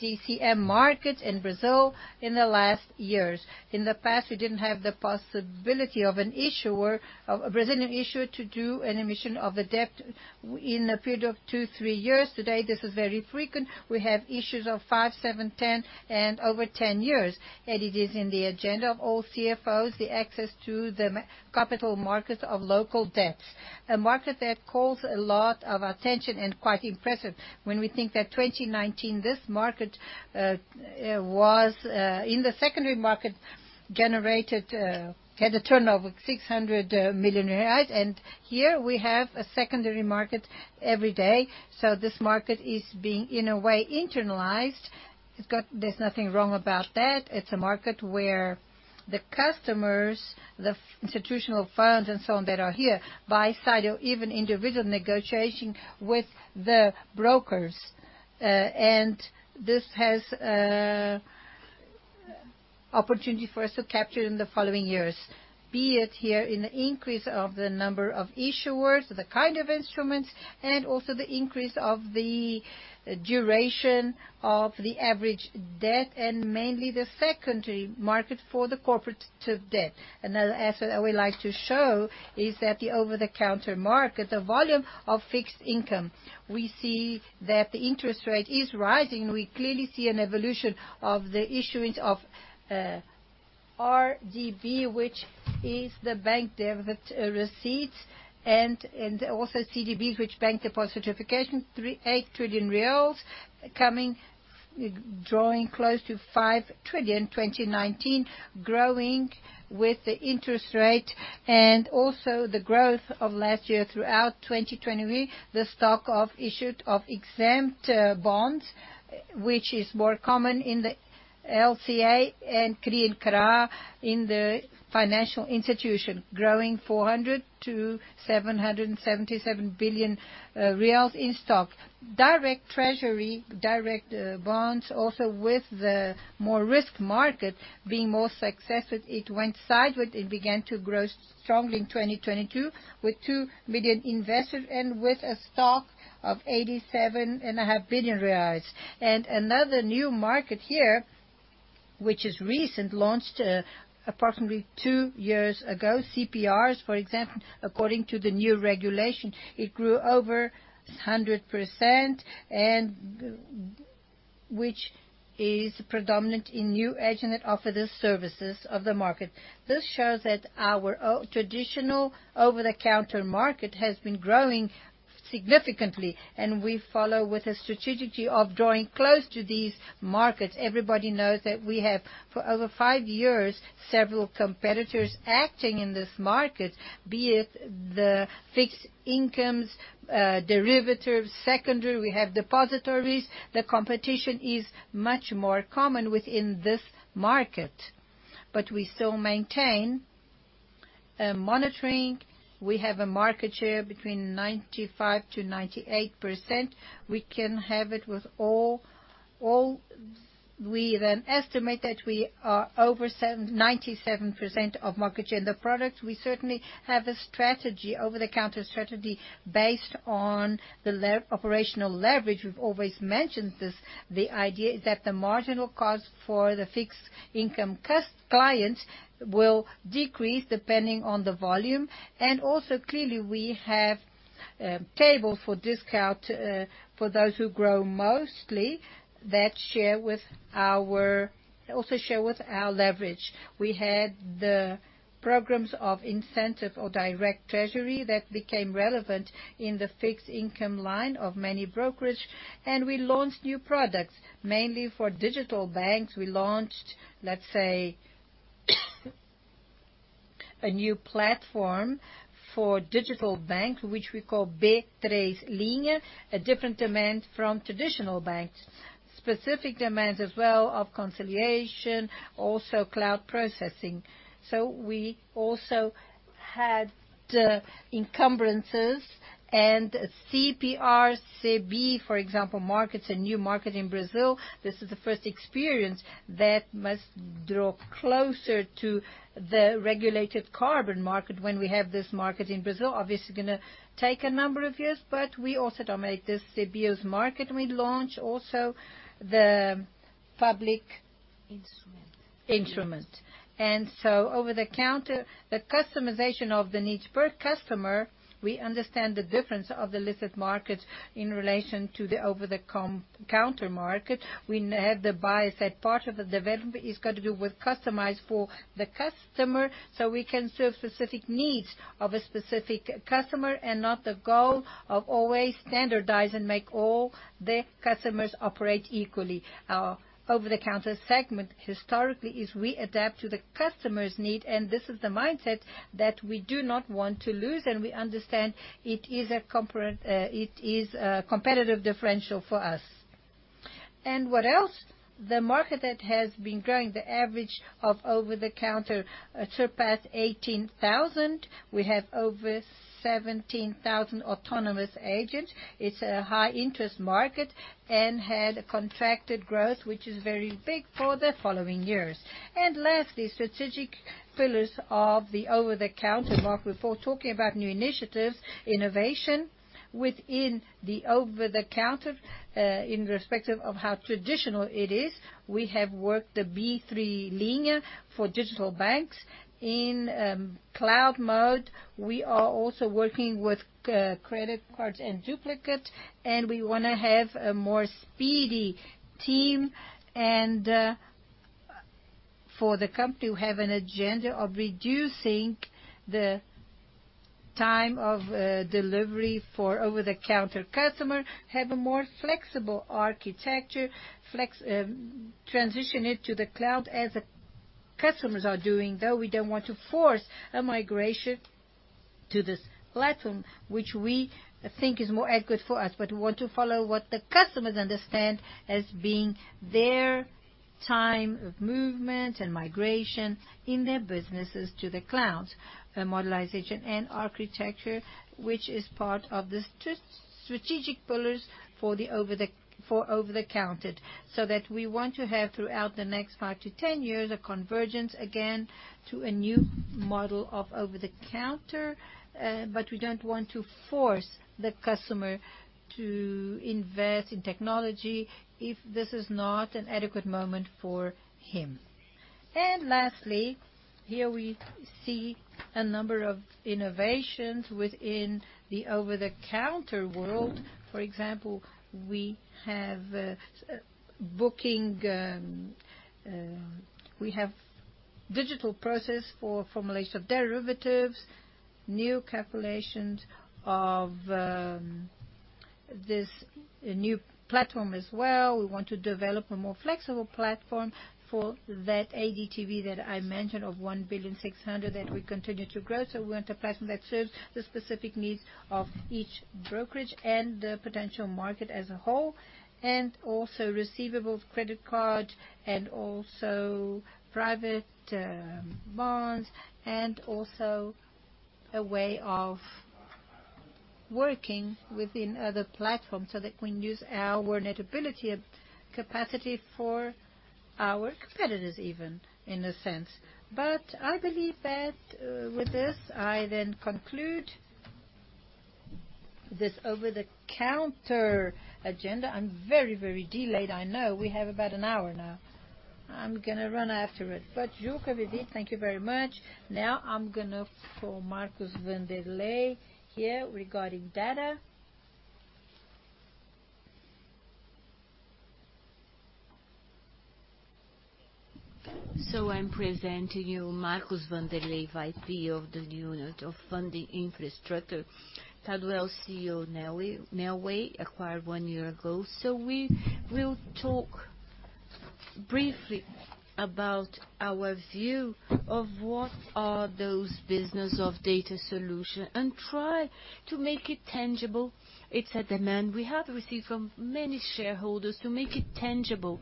DCM market in Brazil in the last years. In the past, we didn't have the possibility of an issuer, of a Brazilian issuer to do an emission of a debt in a period of two, three years. Today, this is very frequent. We have issues of 5, 7, 10 and over 10 years. It is in the agenda of all CFOs, the access to the capital markets of local debts. A market that calls a lot of attention and quite impressive when we think that 2019, this market was in the secondary market, generated, had a turnover of 600 millionaire. Here we have a secondary market every day. This market is being, in a way, internalized. There's nothing wrong about that. It's a market where the customers, the institutional funds and so on that are here buy side or even individual negotiation with the brokers. This has opportunity for us to capture in the following years, be it here in the increase of the number of issuers, the kind of instruments, and also the increase of the duration of the average debt and mainly the secondary market for the corporate debt. Another asset I would like to show is that the over-the-counter market, the volume of fixed income, we see that the interest rate is rising. We clearly see an evolution of the issuance of RDB, which is the bank debit receipts and also CDB, which bank deposit certification, 3.8 trillion reais coming, drawing close to 5 trillion in 2019, growing with the interest rate and also the growth of last year throughout 2020. The stock of issued of exempt bonds, which is more common in the LCA and CRI in CRA in the financial institution, growing 400 billion to 777 billion reais in stock. Direct treasury, direct bonds also with the more risk market being more successful. It went sideways. It began to grow strongly in 2022 with 2 million investors and with a stock of 87.5 billion reais. Another new market here, which is recent, launched approximately two years ago, CPRs, for example, according to the new regulation, it grew over 100% and which is predominant in new agent that offer the services of the market. This shows that our traditional over-the-counter market has been growing significantly, we follow with a strategy of drawing close to these markets. Everybody knows that we have, for over five years, several competitors acting in this market, be it the fixed incomes, derivatives, secondary, we have depositories. The competition is much more common within this market. We still maintain a monitoring. We have a market share between 95%-98%. We can have it with all. We estimate that we are over 97% of market share in the product. We certainly have a strategy, over-the-counter strategy based on the operational leverage. We've always mentioned this. The idea is that the marginal cost for the fixed income clients will decrease depending on the volume. Also clearly, we have a table for discount for those who grow mostly that share with our leverage. We had the programs of incentive or Tesouro Direto that became relevant in the fixed income line of many brokerage. We launched new products, mainly for digital banks. We launched, let's say, a new platform for digital bank, which we call B3 Linha, a different demand from traditional banks. Specific demands as well of conciliation, also cloud processing. We also had encumbrances and CPR, CBIOs, for example, markets a new market in Brazil. This is the first experience that must draw closer to the regulated carbon market when we have this market in Brazil. Obviously, gonna take a number of years, but we also dominate this CBIOs market. We launch also the public instrument. So over-the-counter, the customization of the needs per customer, we understand the difference of the listed markets in relation to the over-the-counter market. We have the bias that part of the development is gonna do with customized for the customer, so we can serve specific needs of a specific customer and not the goal of always standardize and make all the customers operate equally. Our over-the-counter segment historically is we adapt to the customer's need, and this is the mindset that we do not want to lose and we understand it is a competitive differential for us. What else? The market that has been growing, the average of over-the-counter surpassed 18,000. We have over 17,000 autonomous agent. It's a high-interest market and had a contracted growth, which is very big for the following years. Lastly, strategic pillars of the over-the-counter market. Before talking about new initiatives, innovation within the over-the-counter, in respective of how traditional it is, we have worked the B3 Linha for digital banks. In cloud mode, we are also working with credit cards and duplicate, and we wanna have a more speedy team and for the company to have an agenda of reducing the time of delivery for over-the-counter customer, have a more flexible architecture, transition it to the cloud as the customers are doing, though we don't want to force a migration to this platform, which we think is more adequate for us, but we want to follow what the customers understand as being their time of movement and migration in their businesses to the cloud. Modernization and architecture, which is part of the strategic pillars for over-the-counter, so that we want to have, throughout the next 5-10 years, a convergence again to a new model of over-the-counter, but we don't want to force the customer to invest in technology if this is not an adequate moment for him. Lastly, here we see a number of innovations within the over-the-counter world. For example, we have booking, we have digital process for formulation of derivatives, new calculations of this new platform as well. We want to develop a more flexible platform for that ADTV that I mentioned of 1.6 billion that we continue to grow. We want a platform that serves the specific needs of each brokerage and the potential market as a whole, and also receivables credit card and also private bonds and also a way of working within other platforms so that we can use our net ability and capacity for our competitors even, in a sense. I believe that with this, I then conclude this over-the-counter agenda. I'm very, very delayed, I know. We have about an hour now. I'm gonna run after it. Juca, Vivi, thank you very much. Now I'm gonna call Marcos Vanderlei here regarding data. I'm presenting you Marcos Vanderlei, VP of the unit of Funding Infrastructure, Kadu CEO, Neoway, acquired one year ago. We will talk briefly about our view of what are those business of data solution and try to make it tangible. It's a demand we have received from many shareholders to make it tangible.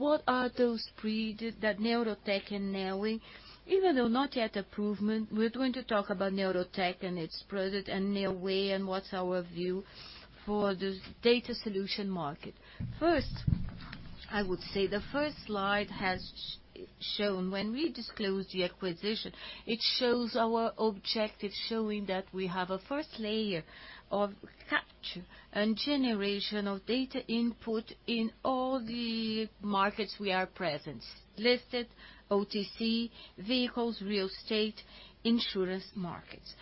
What are those Neurotech and Neoway? Even though not yet approved, we're going to talk about Neurotech and its product and Neoway and what's our view for this data solution market. First, I would say the first slide has shown when we disclosed the acquisition. It shows our objective, showing that we have a first layer of capture and generation of data input in all the markets we are present, listed, OTC, vehicles, real estate, insurance markets.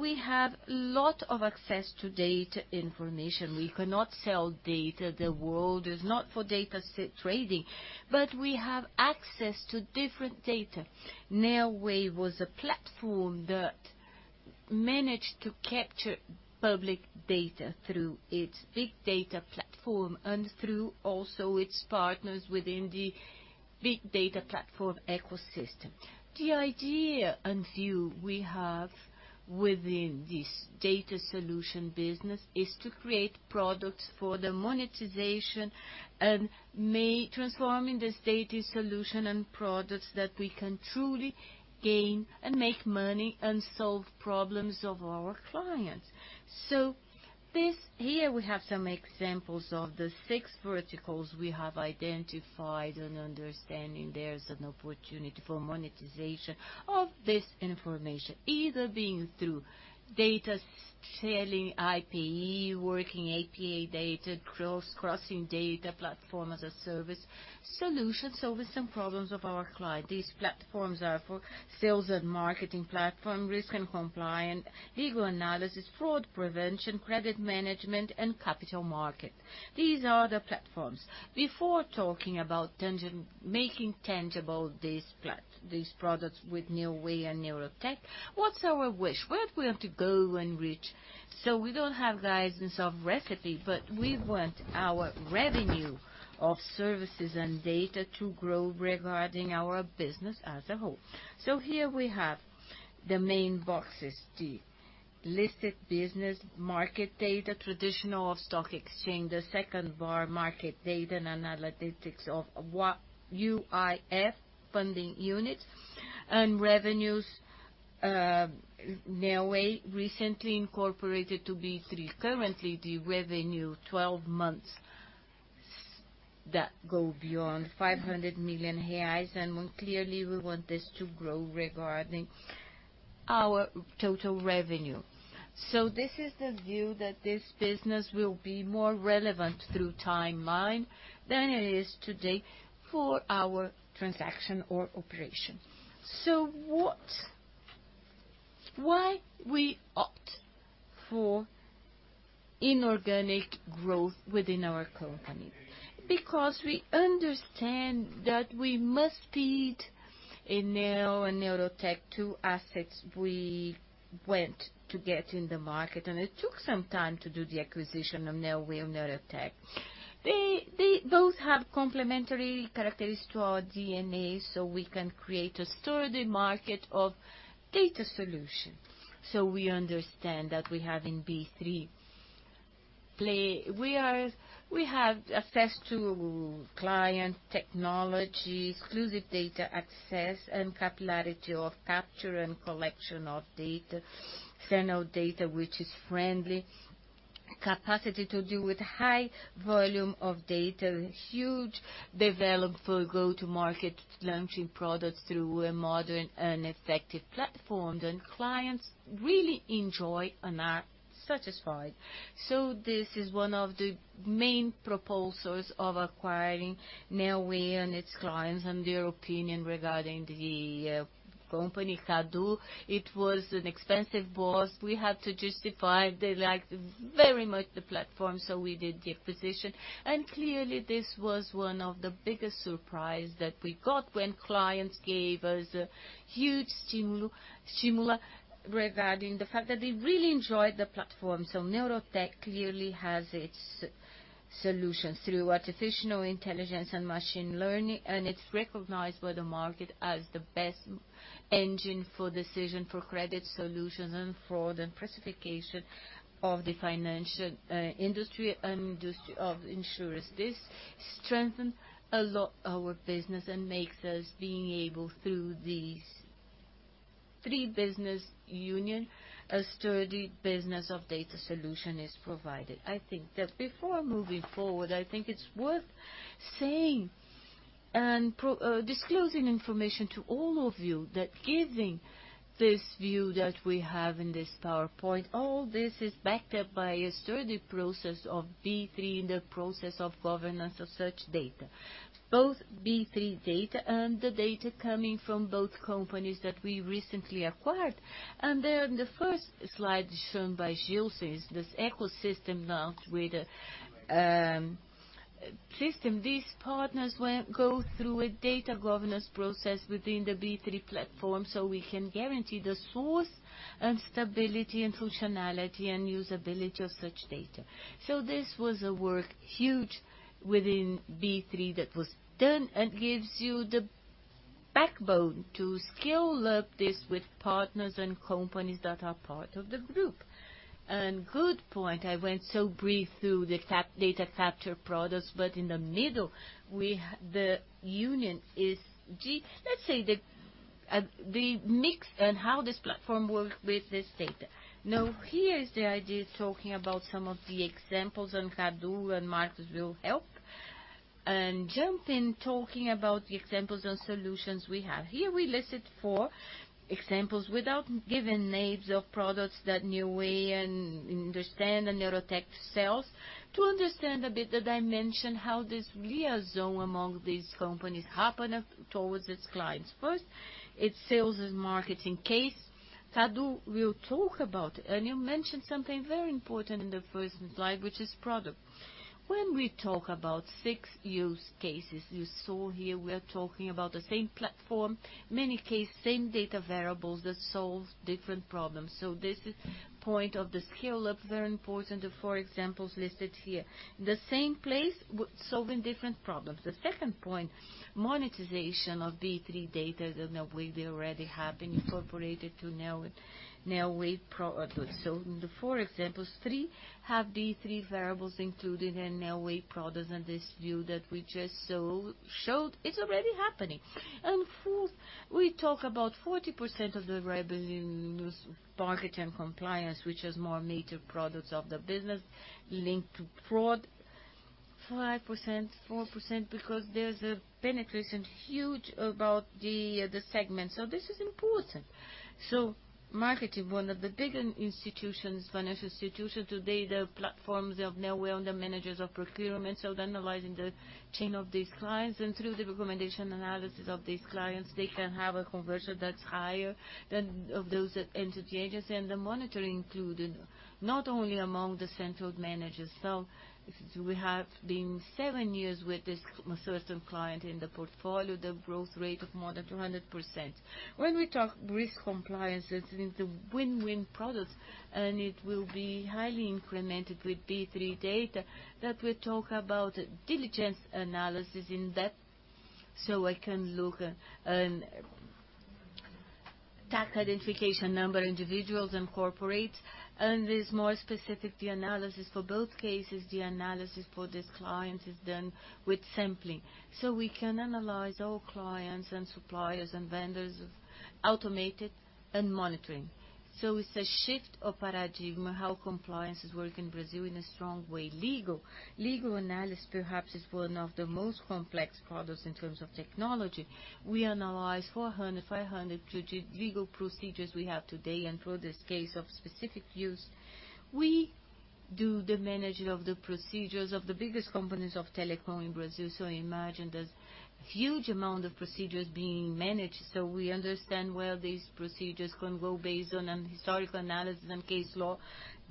We have lot of access to data information. We cannot sell data. The world is not for data. We have access to different data. Neoway was a platform that managed to capture public data through its big data platform and through also its partners within the big data platform ecosystem. The idea and view we have within this data solution business is to create products for the monetization and transforming this data solution and products that we can truly gain and make money and solve problems of our clients. This here we have some examples of the six verticals we have identified and understanding there's an opportunity for monetization of this information, either being through data selling, IPE working, APA data, cross-crossing data platform as a service solution, solving some problems of our client. These platforms are for sales and marketing platform, risk and compliance, legal analysis, fraud prevention, credit management and capital market. These are the platforms. Before talking about making tangible these products with Neoway and Neurotech, what's our wish? Where do we want to go and reach? We don't have guidance of recipe, but we want our revenue of services and data to grow regarding our business as a whole. Here we have the main boxes, the listed business market data, traditional of stock exchange, the second bar, market data and analytics of UIF funding units and revenues, Neoway recently incorporated to B3. Currently, the revenue 12 months that go beyond 500 million reais, and clearly we want this to grow regarding our total revenue. This is the view that this business will be more relevant through timeline than it is today for our transaction or operation. Why we opt for inorganic growth within our company? We understand that we must feed in Neurotech two assets we went to get in the market. It took some time to do the acquisition of Neoway and Neurotech. They both have complementary characteristics to our DNA, we can create a sturdy market of data solutions. We understand that we have in B3 play. We have access to client technology, exclusive data access and capillarity of capture and collection of data, external data, which is friendly, capacity to deal with high volume of data, huge develop for go-to market, launching products through a modern and effective platform. Clients really enjoy and are satisfied. This is one of the main proposals of acquiring Neoway and its clients and their opinion regarding the company Kado. It was an expensive boss. We had to justify. They liked very much the platform, so we did the acquisition. Clearly this was one of the biggest surprise that we got when clients gave us a huge stimula regarding the fact that they really enjoyed the platform. Neurotech clearly has its solutions through artificial intelligence and machine learning, and it's recognized by the market as the best engine for decision, for credit solutions and fraud and precification of the financial industry and industry of insurers. This strengthen a lot our business and makes us being able through these three business union, a sturdy business of data solution is provided. I think that before moving forward, I think it's worth saying and disclosing information to all of you that giving this view that we have in this PowerPoint, all this is backed up by a sturdy process of B3 in the process of governance of such data, both B3 data and the data coming from both companies that we recently acquired. The first slide shown by Gilson is this ecosystem, not with a system. These partners will go through a data governance process within the B3 platform, so we can guarantee the source and stability and functionality and usability of such data. This was a work huge within B3 that was done and gives you the backbone to scale up this with partners and companies that are part of the group. Good point. I went so brief through the data capture products, but in the middle we the union is the, let's say, the mix and how this platform work with this data. Here is the idea, talking about some of the examples and Kadu and Marcos will help and jump in talking about the examples and solutions we have. Here we listed four examples without giving names of products that Neoway and understand and Neurotech sells, to understand a bit the dimension how this liaison among these companies happen towards its clients. First, its sales and marketing case. Kadu will talk about, you mentioned something very important in the first slide, which is product. When we talk about six use cases you saw here, we are talking about the same platform, many case, same data variables that solves different problems. This is point of the scale up, very important, the four examples listed here. The same place solving different problems. The second point, monetization of B3 data that Neoway they already have been incorporated to Neoway products. The four examples, three have these three variables included in Neoway products, and this view that we just showed is already happening. Fourth, we talk about 40% of the revenue in this market and compliance, which is more native products of the business linked to fraud. 5%, 4% because there's a penetration huge about the segment. This is important. Marketing, one of the bigger institutions, financial institutions today, the platforms of Neoway and the managers of procurement. Analyzing the chain of these clients and through the recommendation analysis of these clients, they can have a conversion that's higher than of those entity agents and the monitoring included, not only among the central managers. We have been seven years with this certain client in the portfolio, the growth rate of more than 200%. When we talk risk compliance, it's in the win-win products, and it will be highly incremented with B3 data that we talk about diligence analysis in depth. Tax identification number, individuals and corporates, and there's more specific the analysis for both cases. The analysis for this client is done with sampling. We can analyze all clients and suppliers and vendors of automated and monitoring. It's a shift of paradigm, how compliance is working in Brazil in a strong way. Legal. Legal analysis perhaps is one of the most complex products in terms of technology. We analyze 400, 500 legal procedures we have today for this case of specific use. We do the managing of the procedures of the biggest companies of telecom in Brazil. Imagine there's huge amount of procedures being managed. We understand where these procedures can go based on an historical analysis and case law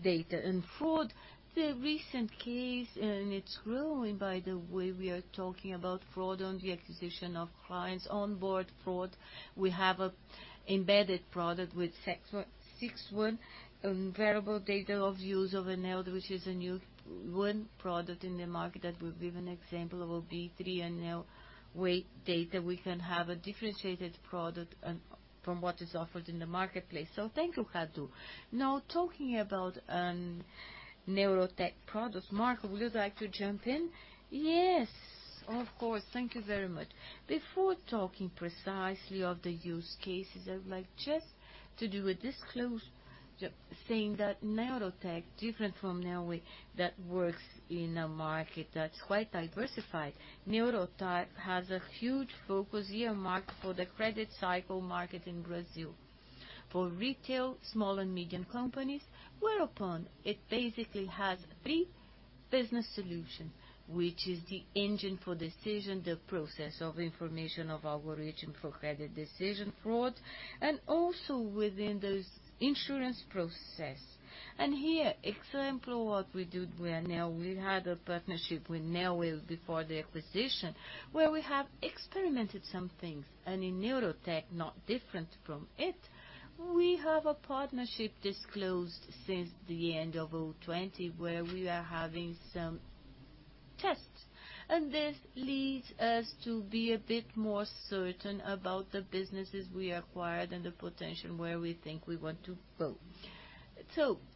data. Fraud, the recent case, and it's growing by the way, we are talking about fraud on the acquisition of clients, onboard fraud. We have a embedded product with 661 variable data of use of Enel, which is a new one product in the market that we've given example of a B3 Neoway data. We can have a differentiated product from what is offered in the marketplace. Thank you, Kadu. Now talking about Neurotech products. Marco, would you like to jump in? Yes, of course. Thank you very much. Before talking precisely of the use cases, I would like just to do a disclose saying that Neurotech, different from Neoway, that works in a market that's quite diversified. Neurotech has a huge focus earmarked for the credit cycle market in Brazil. For retail, small and medium companies, whereupon it basically has three business solution, which is the engine for decision, the process of information of algorithm for credit decision fraud, and also within this insurance process. Here, example what we do with Neoway. We had a partnership with Neoway before the acquisition, where we have experimented some things, and in Neurotech, not different from it. We have a partnership disclosed since the end of 2020, where we are having some tests. This leads us to be a bit more certain about the businesses we acquired and the potential where we think we want to go.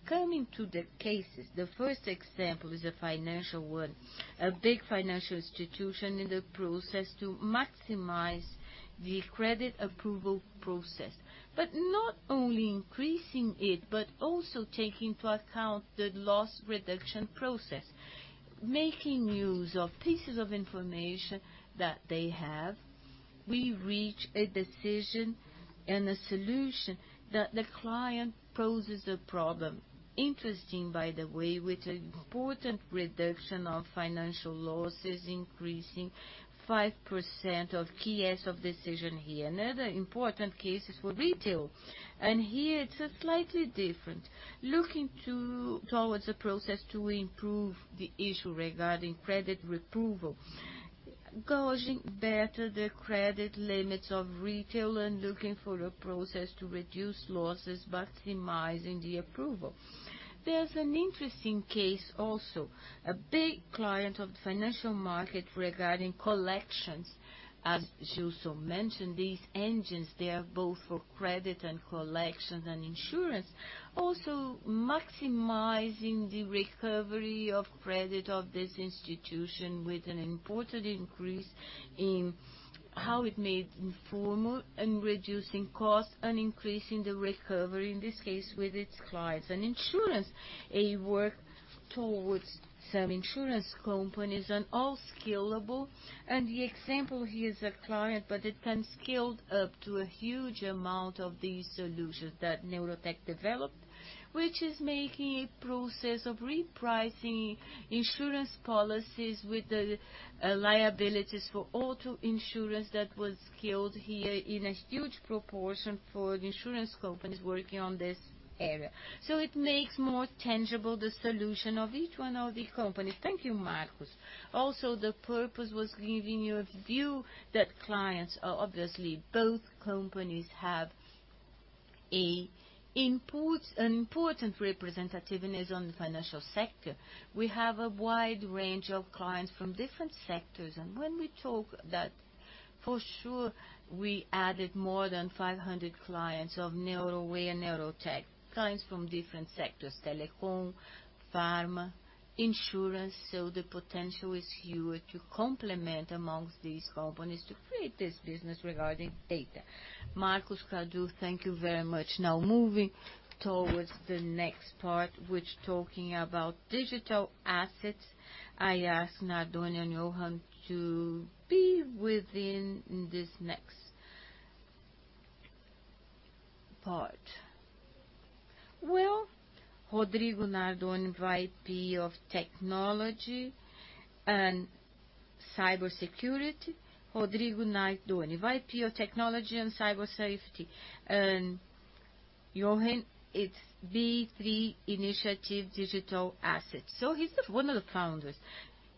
Coming to the cases, the first example is a financial one, a big financial institution in the process to maximize the credit approval process. Not only increasing it, but also taking into account the loss reduction process. Making use of pieces of information that they have, we reach a decision and a solution that the client poses a problem. Interesting, by the way, with important reduction of financial losses increasing 5% of NPS of decision here. Another important case is for retail. Here it's a slightly different. Looking towards a process to improve the issue regarding credit approval, gauging better the credit limits of retail and looking for a process to reduce losses, maximizing the approval. There's an interesting case also, a big client of the financial market regarding collections. As Gilson mentioned, these engines, they are both for credit and collections and insurance. Also maximizing the recovery of credit of this institution with an important increase in how it made informal and reducing costs and increasing the recovery, in this case, with its clients and insurance. A work towards some insurance companies and all scalable. The example here is a client, but it can scaled up to a huge amount of these solutions that Neurotech developed, which is making a process of repricing insurance policies with the liabilities for auto insurance that was scaled here in a huge proportion for the insurance companies working on this area. It makes more tangible the solution of each one of the companies. Thank you, Marcos. The purpose was giving you a view that clients are obviously both companies have an important representativeness on the financial sector. We have a wide range of clients from different sectors. When we talk that for sure, we added more than 500 clients of Neoway and Neurotech, clients from different sectors: Telecom, pharma, insurance. The potential is huge to complement amongst these companies to create this business regarding data. Marcos, Kadu, thank you very much. Now, moving towards the next part, which talking about digital assets. I ask Nardoni and Jochen to be within this next part. Rodrigo Nardoni, VP of Technology and Cybersecurity. Rodrigo Nardoni, VP of Technology and Cybersecurity. Jochen, it's B3 Initiative Digital Assets. He's the one of the founders.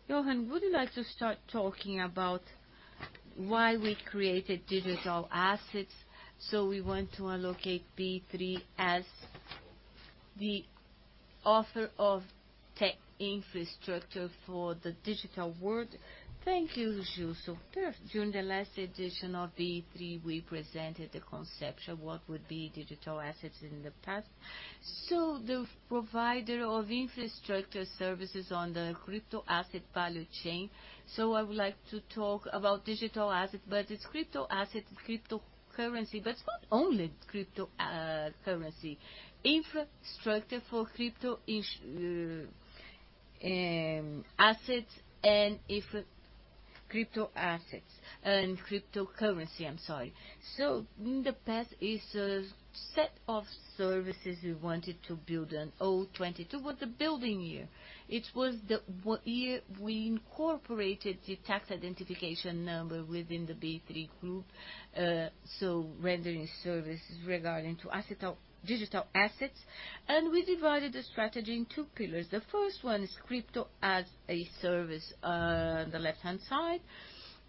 Jochen, would you like to start talking about why we created digital assets? We want to allocate B3 as the author of tech infrastructure for the digital world. Thank you, Josué. During the last edition of B3, we presented the concept of what would be digital assets in the past. The provider of infrastructure services on the crypto asset value chain. I would like to talk about digital assets, but it's crypto asset, cryptocurrency, but it's not only cryptocurrency. Infrastructure for crypto assets and cryptocurrency, I'm sorry. In the past is a set of services we wanted to build on 2022 were the building year. It was the year we incorporated the tax identification number within the B3 group, rendering services regarding to digital assets, and we divided the strategy in two pillars. The first one is crypto as a service on the left-hand side,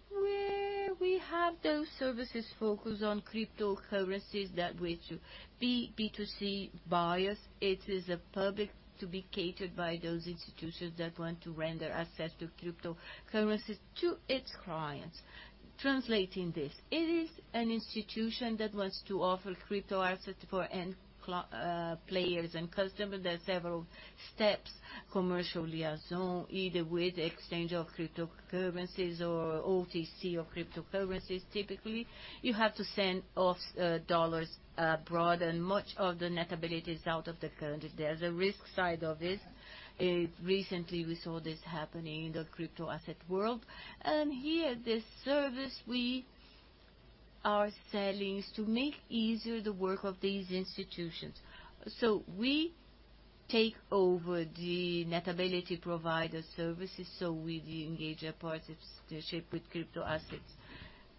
where we have those services focused on cryptocurrencies that way to B, B2C buyers. It is a public to be catered by those institutions that want to render assets to cryptocurrencies to its clients. Translating this, it is an institution that wants to offer crypto assets for end players and customers. There are several steps commercially as well, either with exchange of cryptocurrencies or OTC of cryptocurrencies, typically. You have to send off dollars abroad and much of the net ability is out of the country. There's a risk side of this. Recently we saw this happening in the crypto asset world. Here, the service we are selling is to make easier the work of these institutions. we take over the net ability provider services, we engage a partnership with crypto assets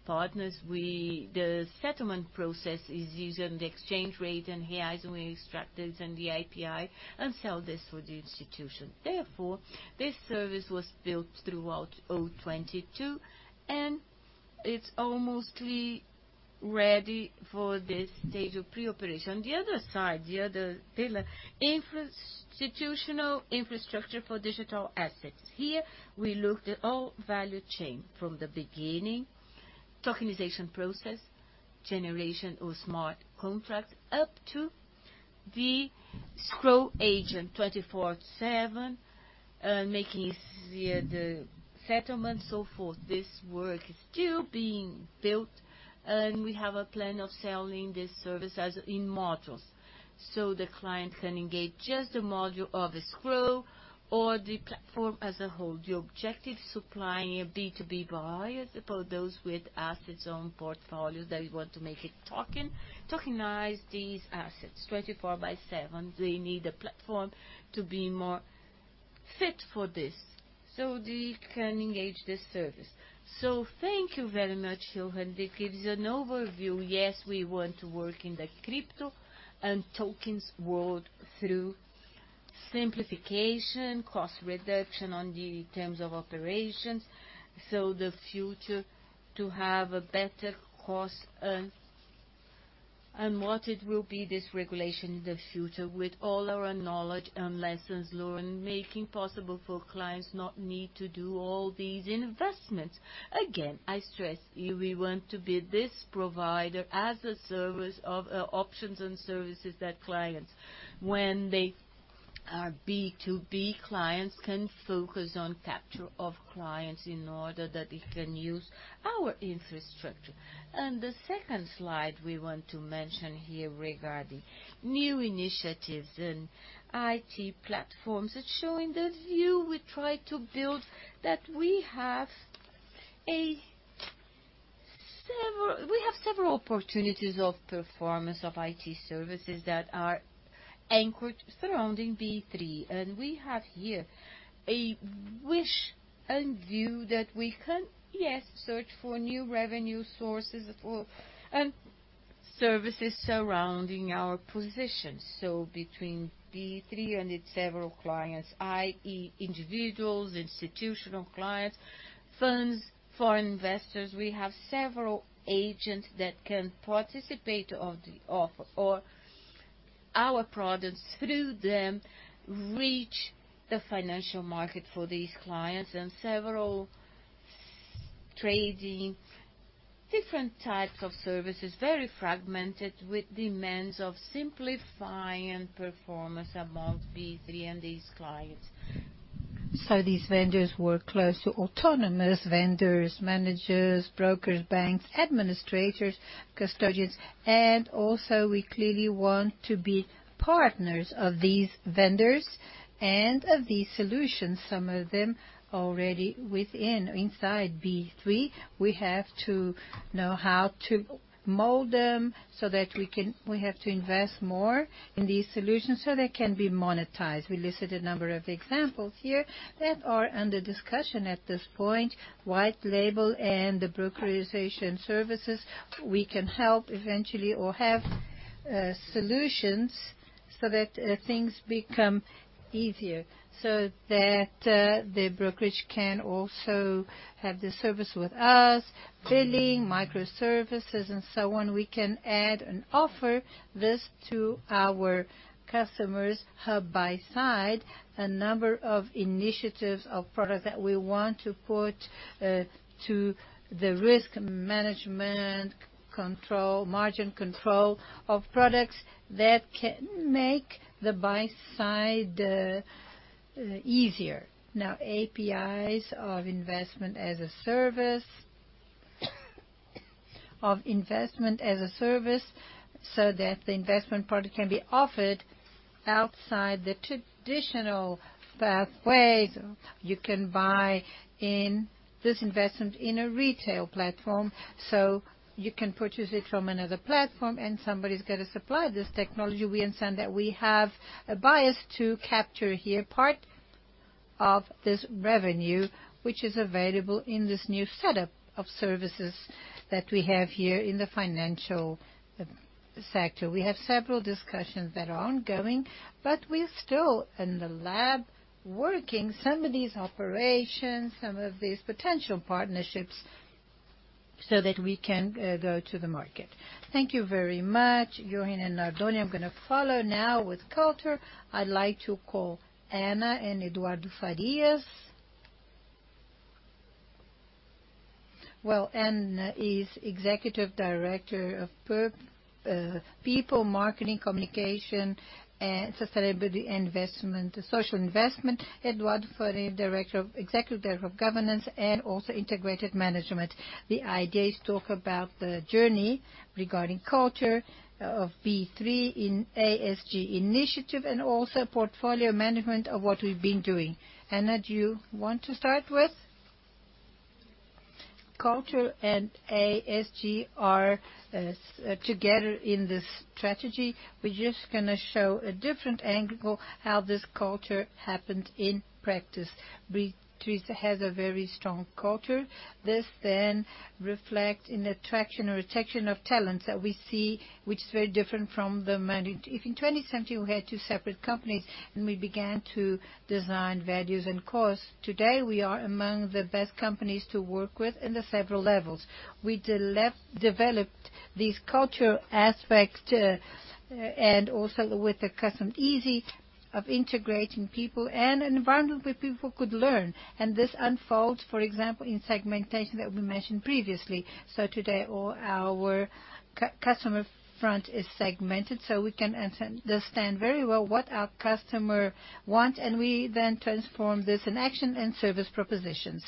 partners. The settlement process is using the exchange rate and the ISO instructions and the API and sell this for the institution. Therefore, this service was built throughout 2022, and it's almost ready for this stage of pre-operation. The other side, the other pillar, institutional infrastructure for digital assets. Here we look at all value chain from the beginning, tokenization process, generation or smart contract, up to the escrow agent 24/7, making easy the settlement, so forth. This work is still being built, and we have a plan of selling this service as in modules. The client can engage just the module of a escrow or the platform as a whole. The objective, supplying a B2B buyer for those with assets on portfolios that we want to make it token, tokenize these assets 24 by 7. They need a platform to be more fit for this, so they can engage this service. Thank you very much, Jochen. That gives you an overview. Yes, we want to work in the crypto and tokens world through simplification, cost reduction on the terms of operations. The future to have a better cost, and what it will be this regulation in the future with all our knowledge and lessons learned, making possible for clients not need to do all these investments. Again, I stress you, we want to be this provider as a service of options and services that clients when they. Our B2B clients can focus on capture of clients in order that they can use our infrastructure. The second slide we want to mention here regarding new initiatives and IT platforms that show in the view we try to build that we have several opportunities of performance of IT services that are anchored surrounding B3. We have here a wish and view that we can, yes, search for new revenue sources and services surrounding our position. Between B3 and its several clients, i.e., individuals, institutional clients, funds for investors, we have several agents that can participate of the offer or our products through them reach the financial market for these clients and several trading different types of services, very fragmented with demands of simplifying performance amongst B3 and these clients. These vendors were close to autonomous vendors, managers, brokers, banks, administrators, custodians, and also we clearly want to be partners of these vendors and of these solutions, some of them already within or inside B3. We have to know how to mold them so that we have to invest more in these solutions so they can be monetized. We listed a number of examples here that are under discussion at this point, white label and the brokerization services. We can help eventually or have solutions so that things become easier, so that the brokerage can also have the service with us, billing, microservices, and so on. We can add and offer this to our customers, hub buy side, a number of initiatives of product that we want to put to the risk management control, margin control of products that can make the buy side easier. Now, APIs of investment as a service so that the investment product can be offered outside the traditional pathways. You can buy in this investment in a retail platform, so you can purchase it from another platform and somebody's gonna supply this technology. We understand that we have a bias to capture here part of this revenue, which is available in this new setup of services that we have here in the financial sector. We have several discussions that are ongoing. We're still in the lab working some of these operations, some of these potential partnerships so that we can go to the market. Thank you very much, Jochen and Nardoni. I'm gonna follow now with culture. I'd like to call Ana and Eduardo Farias. Well, Ana is Executive Director of People, Marketing, Communication, and Sustainability and Social Investment. Eduardo Farias, Executive Director of Governance and also Integrated Management. The idea is talk about the journey regarding culture of B3 in ASG initiative and also portfolio management of what we've been doing. Ana, do you want to start with? Culture and ASG are together in this strategy. We're just gonna show a different angle how this culture happened in practice. B3 has a very strong culture. This reflect in attraction or retention of talents that we see, which is very different from the manage... If in 2017 we had two separate companies, and we began to design values and costs. Today, we are among the best companies to work with in the several levels. We developed these culture aspects, and also with the custom easy of integrating people and an environment where people could learn. This unfolds, for example, in segmentation that we mentioned previously. Today, all our customer front is segmented, so we can understand very well what our customer want, and we then transform this in action and service propositions.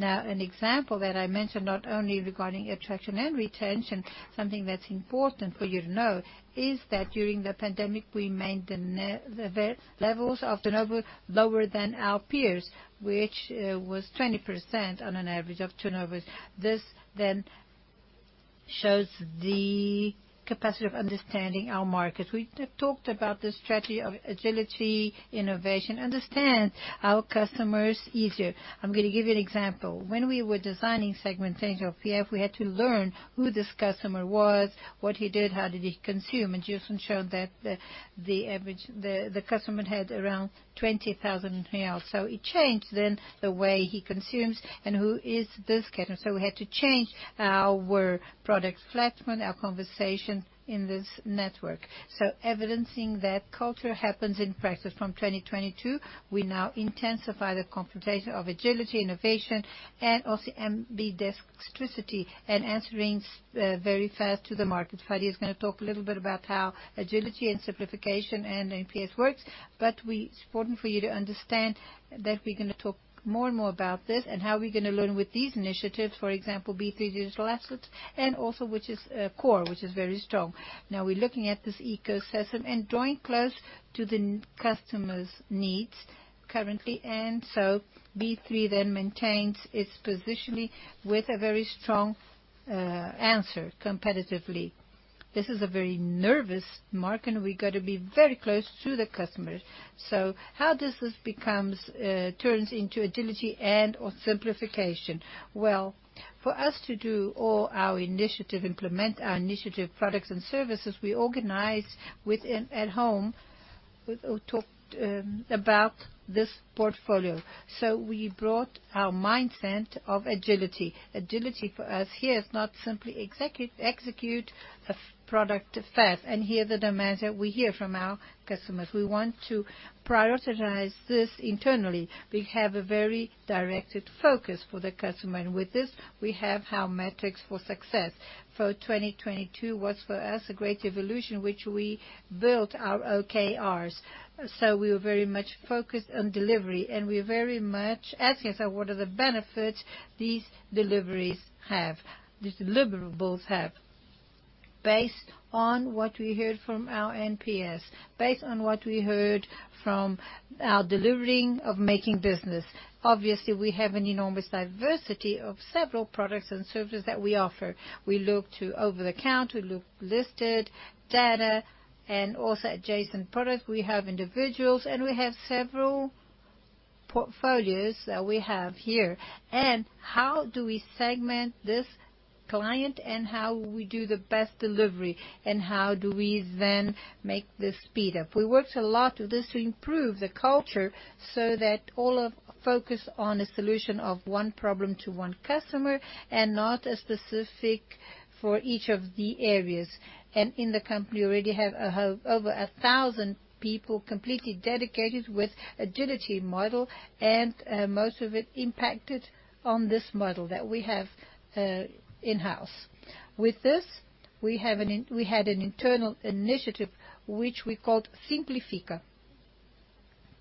An example that I mentioned not only regarding attraction and retention, something that's important for you to know is that during the pandemic, we made the levels of turnover lower than our peers, which was 20% on an average of turnovers. This shows the capacity of understanding our markets. We've talked about the strategy of agility, innovation, understand our customers easier. I'm gonna give you an example. When we were designing segmentation of PF, we had to learn who this customer was, what he did, how did he consume, and Gilson showed that the customer had around 20,000 real. It changed then the way he consumes and who is this customer. We had to change our product placement, our conversation in this network. Evidencing that culture happens in practice from 2022, we now intensify the confrontation of agility, innovation, and also ambidexterity and answering very fast to the market. Farias is gonna talk a little bit about how agility and simplification and NPS works. It's important for you to understand that we're gonna talk more and more about this and how we're gonna learn with these initiatives, for example, B3 digital assets, and also which is core, which is very strong. We're looking at this ecosystem and drawing close to the customer's needs. Currently, B3 then maintains its position with a very strong answer competitively. This is a very nervous market, and we got to be very close to the customers. How does this becomes, turns into agility and or simplification? Well, for us to do all our initiative, implement our initiative products and services, we organize within at home. We talked about this portfolio. We brought our mindset of agility. Agility for us here is not simply execute a product fast. Here are the demands that we hear from our customers. We want to prioritize this internally. We have a very directed focus for the customer. With this, we have our metrics for success. For 2022 was for us a great evolution, which we built our OKRs. We were very much focused on delivery, and we're very much asking ourselves what are the benefits these deliverables have based on what we heard from our NPS, based on what we heard from our delivering of making business. Obviously, we have an enormous diversity of several products and services that we offer. We look to over-the-counter, we look listed data and also adjacent products. We have individuals, we have several portfolios that we have here. How do we segment this client and how we do the best delivery and how do we then make the speed up? We worked a lot with this to improve the culture so that all of focus on a solution of one problem to one customer and not a specific for each of the areas. In the company, we already have over 1,000 people completely dedicated with Agile model, and most of it impacted on this model that we have in-house. With this, we had an internal initiative which we called Simplifica.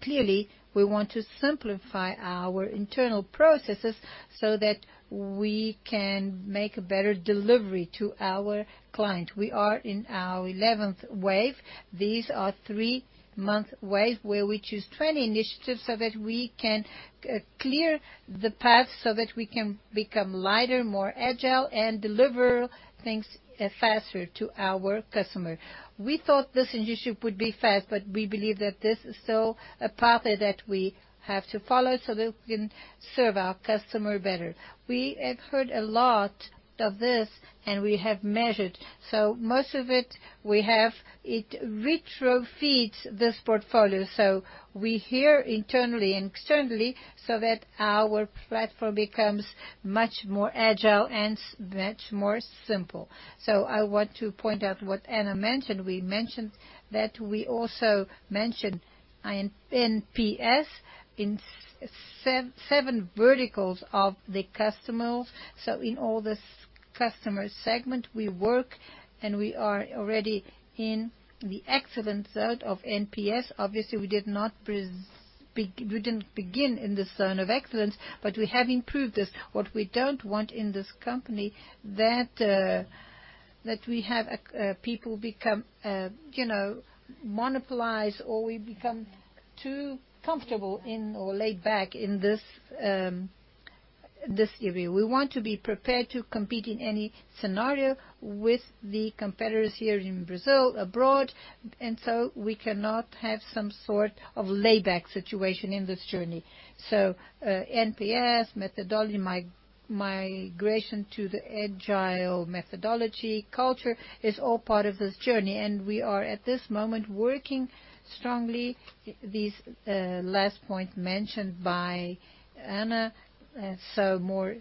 Clearly, we want to simplify our internal processes so that we can make a better delivery to our client. We are in our 11th wave. These are 3-month waves where we choose 20 initiatives so that we can clear the path, so that we can become lighter, more agile, and deliver things faster to our customer. We thought this initiative would be fast, but we believe that this is still a pathway that we have to follow so that we can serve our customer better. We have heard a lot of this, and we have measured. Most of it, we have it retrofeeds this portfolio. We hear internally and externally so that our platform becomes much more agile and much more simple. I want to point out what Ana mentioned. We mentioned that we also mentioned IN-NPS in seven verticals of the customers. In all this customer segment, we work, and we are already in the excellence zone of NPS. Obviously, we didn't begin in this zone of excellence, but we have improved this. What we don't want in this company that we have, people become, you know, monopolize, or we become too comfortable in or laid back in this area. We want to be prepared to compete in any scenario with the competitors here in Brazil, abroad. We cannot have some sort of laid back situation in this journey. NPS methodology, migration to the Agile methodology culture is all part of this journey. We are, at this moment, working strongly these last point mentioned by Ana, so more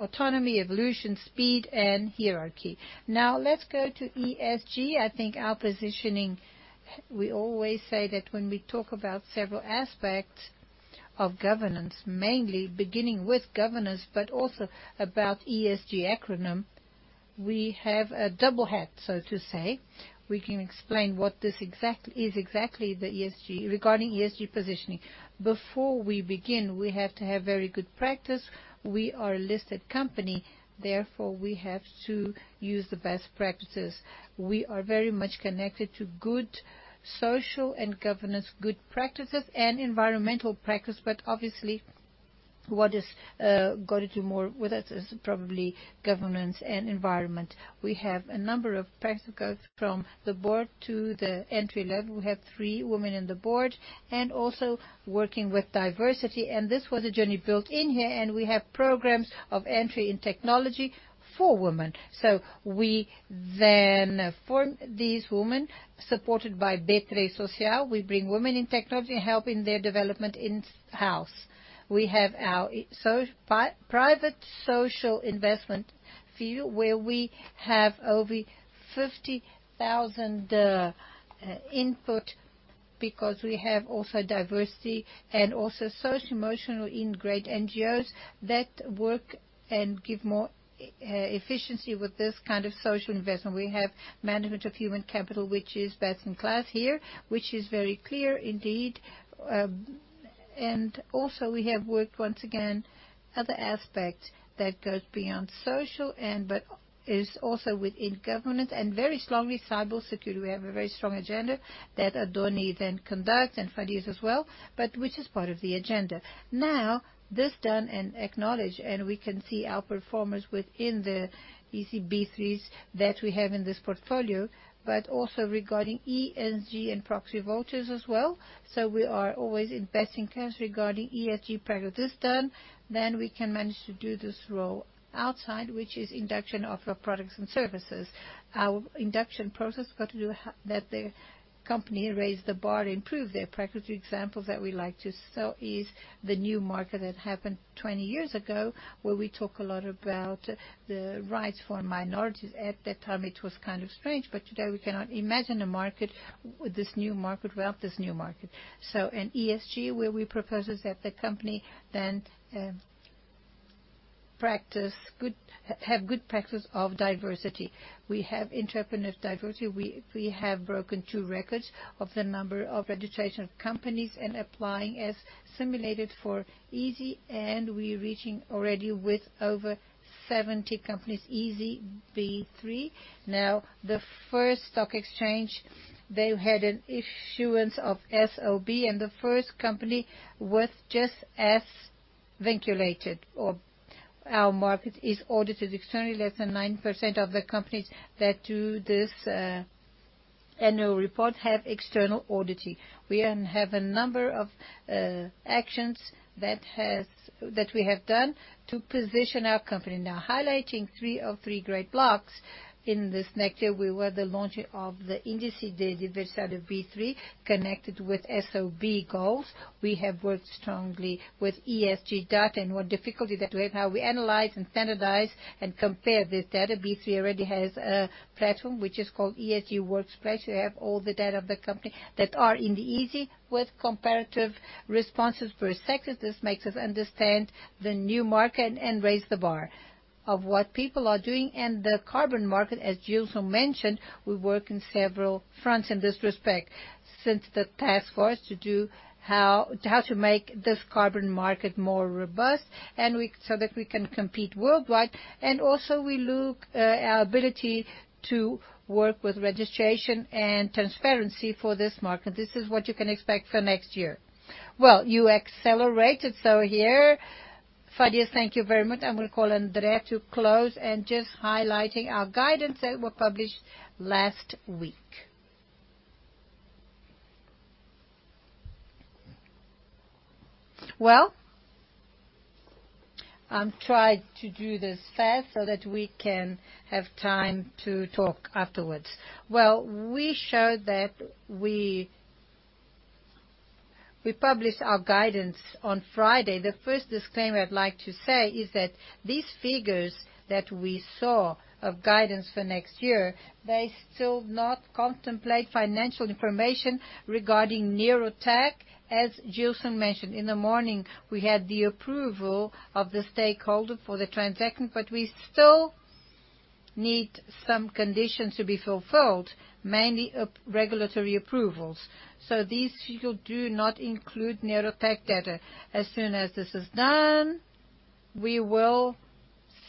autonomy, evolution, speed and hierarchy. Now let's go to ESG. I think our positioning, we always say that when we talk about several aspects of governance, mainly beginning with governance, but also about ESG acronym, we have a double hat, so to say. We can explain what is exactly the ESG regarding ESG positioning. Before we begin, we have to have very good practice. We are a listed company, therefore, we have to use the best practices. We are very much connected to good social and governance, good practices and environmental practice. Obviously, what is got to do more with us is probably governance and environment. We have a number of practices from the board to the entry-level. We have three women in the board and also working with diversity. This was a journey built in here. We have programs of entry in technology for women. We then form these women supported by B3 Social. We bring women in technology, helping their development in-house. We have our private social investment field, where we have over 50,000 input because we have also diversity and also social, emotional in great NGOs that work and give more efficiency with this kind of social investment. We have management of human capital, which is best in class here, which is very clear indeed. Also we have worked once again other aspect that goes beyond social and but is also within government and very strongly cybersecurity. We have a very strong agenda that Nardoni then conducts and Farias as well, but which is part of the agenda. This done and acknowledged, and we can see our performance within the ECB threes that we have in this portfolio, but also regarding ESG and proxy voters as well. We are always investing case regarding ESG practice. This done, then we can manage to do this role outside, which is induction of our products and services. Our induction process got to do that the company raised the bar to improve their practice. Examples that we like to sell is the New Market that happened 20 years ago, where we talk a lot about the rights for minorities. At that time, it was kind of strange, but today we cannot imagine a market with this New Market without this New Market. In ESG, where we propose is that the company then practice good, have good practice of diversity. We have entrepreneur diversity. We have broken two records of the number of registration of companies and applying as simulated for Easynvest and we're reaching already with over 70 companies, Easynvest B3. The first stock exchange, they had an issuance of SOB, and the first company was just as vinculated or our market is audited externally. Less than 9% of the companies that do this annual report have external auditing. We have a number of actions that we have done to position our company. Highlighting three of three great blocks in this next year. We were the launching of the Índice de Diversidade B3, connected with SOB goals. We have worked strongly with ESG data and what difficulty that we have, how we analyze and standardize and compare this data. B3 already has a platform which is called ESG Workspace. You have all the data of the company that are in the Easynvest with comparative responses per sector. This makes us understand the new market and raise the bar of what people are doing. The carbon market, as Gilson mentioned, we work in several fronts in this respect. Since the task force to do how to make this carbon market more robust so that we can compete worldwide. Also we look, our ability to work with registration and transparency for this market. This is what you can expect for next year. You accelerated, here. Farias, thank you very much. I'm gonna call André to close and just highlighting our guidance that were published last week. I'll try to do this fast so that we can have time to talk afterwards. We showed that we published our guidance on Friday. The first disclaimer I'd like to say is that these figures that we saw of guidance for next year, they still not contemplate financial information regarding Neurotech. As Gilson mentioned in the morning, we had the approval of the stakeholder for the transaction, but we still need some conditions to be fulfilled, mainly of regulatory approvals. These figures do not include Neurotech data. As soon as this is done, we will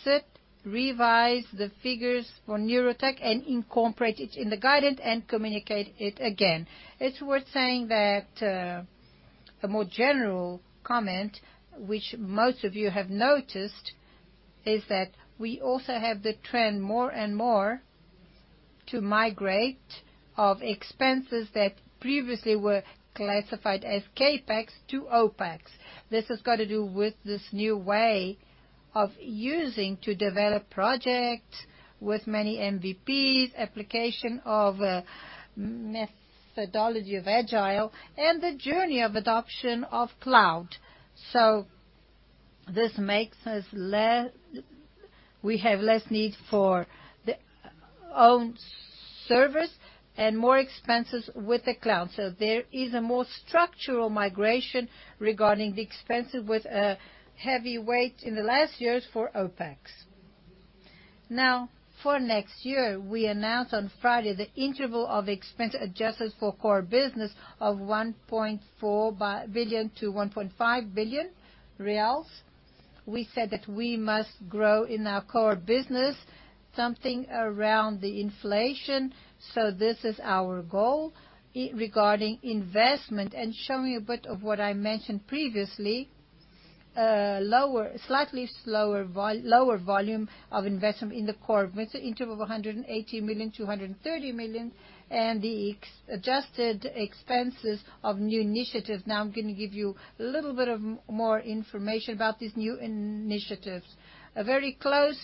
sit, revise the figures for Neurotech and incorporate it in the guidance and communicate it again. It's worth saying that a more general comment, which most of you have noticed, is that we also have the trend more and more to migrate of expenses that previously were classified as CapEx to OpEx. This has got to do with this new way of using to develop projects with many MVPs, application of a methodology of Agile, and the journey of adoption of cloud. This makes us have less need for the own service and more expenses with the cloud. There is a more structural migration regarding the expenses with a heavy weight in the last years for OpEx. For next year, we announced on Friday the interval of expense adjusted for core business of 1.4 billion-1.5 billion reais. We said that we must grow in our core business something around the inflation. This is our goal regarding investment and showing a bit of what I mentioned previously, lower, slightly slower lower volume of investment in the core of it, so interval of 180 million, 230 million, and the ex-adjusted expenses of new initiatives. I'm gonna give you a little bit of more information about these new initiatives. A very close,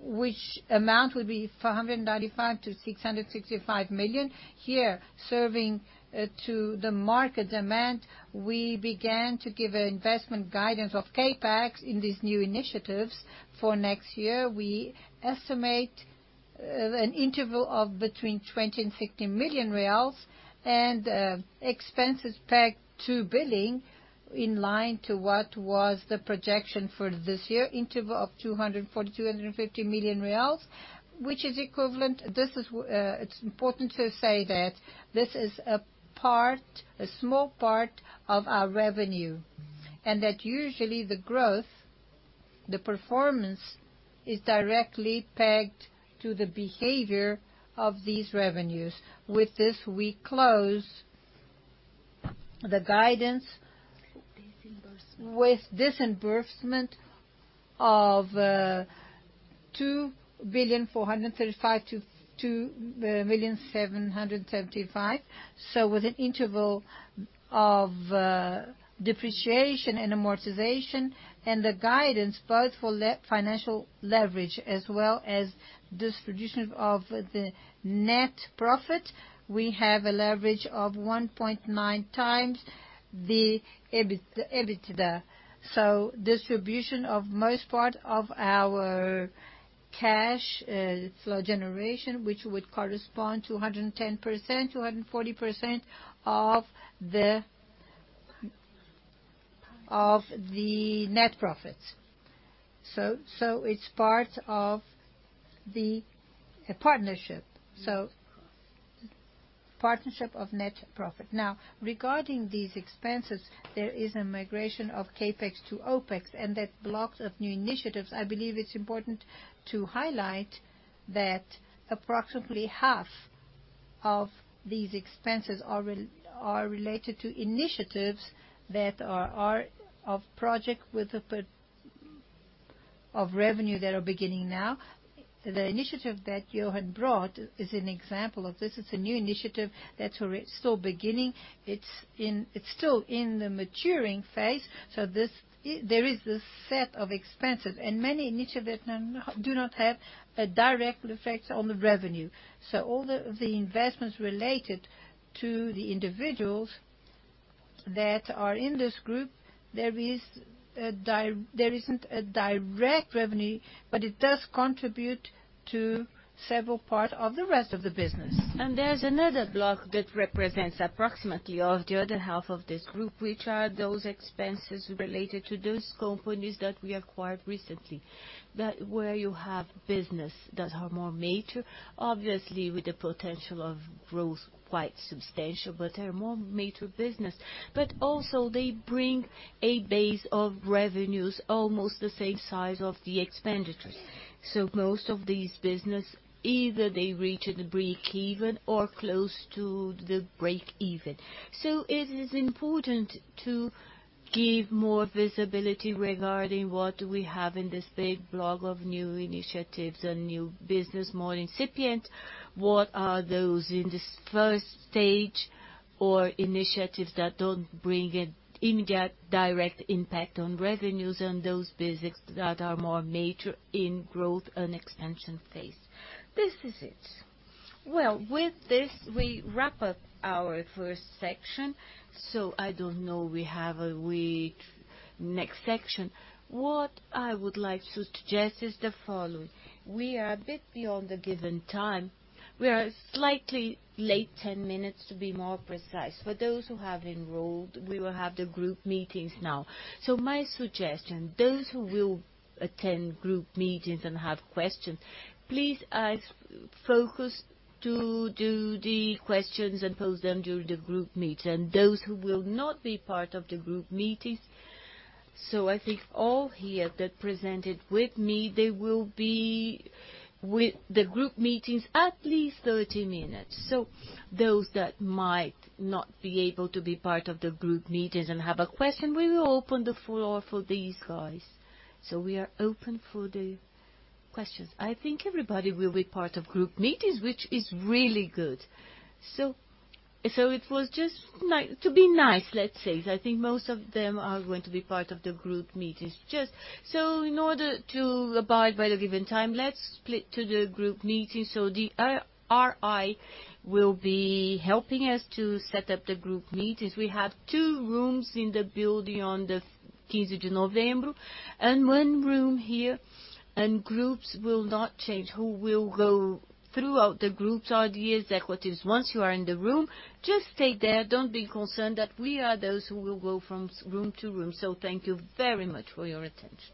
which amount will be 495 million-665 million. Here, serving to the market demand, we began to give an investment guidance of CapEx in these new initiatives. For next year, we estimate an interval of between 20 million reais and BRL 50 million and expenses pegged to billing in line to what was the projection for this year, interval of 240 million-250 million reais, which is equivalent. This is important to say that this is a part, a small part of our revenue, and that usually the growth, the performance is directly pegged to the behavior of these revenues. With this, we close the guidance. Disbursement. With disbursement of 2,000,000,435-2,000,775. With an interval of depreciation and amortization and the guidance, both for financial leverage as well as distribution of the net profit, we have a leverage of 1.9 times the EBITDA. Distribution of most part of our cash flow generation, which would correspond to 110%, 240% of the. Partners. of the net profits. It's part of the partnership. Mm-hmm. Partnership of net profit. Now, regarding these expenses, there is a migration of CapEx to OpEx, and that blocks of new initiatives, I believe it's important to highlight that approximately half of these expenses are related to initiatives that are of project with the of revenue that are beginning now. The initiative that Jochen brought is an example of this. It's a new initiative that's still beginning. It's still in the maturing phase. There is this set of expenses and many initiatives that do not have a direct effect on the revenue. All the investments related to the individuals that are in this group, there isn't a direct revenue, but it does contribute to several parts of the rest of the business. There's another block that represents approximately of the other half of this group, which are those expenses related to those companies that we acquired recently. Where you have businesses that are more mature, obviously with the potential of growth quite substantial, but are more mature businesses. Also they bring a base of revenues almost the same size of the expenditures. Most of these businesses, either they reach the break-even or close to the break-even. It is important to give more visibility regarding what do we have in this big block of new initiatives and new businesses, more incipient, what are those in this first stage or initiatives that don't bring any direct impact on revenues and those businesses that are more mature in growth and expansion phase. This is it. Well, with this, we wrap up our first section. I don't know we have a way to next section. What I would like to suggest is the following: We are a bit beyond the given time. We are slightly late 10 minutes, to be more precise. For those who have enrolled, we will have the group meetings now. My suggestion, those who will attend group meetings and have questions, please, focus to do the questions and pose them during the group meeting. Those who will not be part of the group meetings... I think all here that presented with me, they will be with the group meetings at least 30 minutes. Those that might not be able to be part of the group meetings and have a question, we will open the floor for these guys. We are open for the questions. I think everybody will be part of group meetings, which is really good. It was just to be nice, let's say. I think most of them are going to be part of the group meetings. Just so in order to abide by the given time, let's split to the group meetings. The RI will be helping us to set up the group meetings. We have two rooms in the building on the Quinze de Novembro and one room here, and groups will not change. Who will go throughout the groups are the executives. Once you are in the room, just stay there. Don't be concerned that we are those who will go from room to room. Thank you very much for your attention.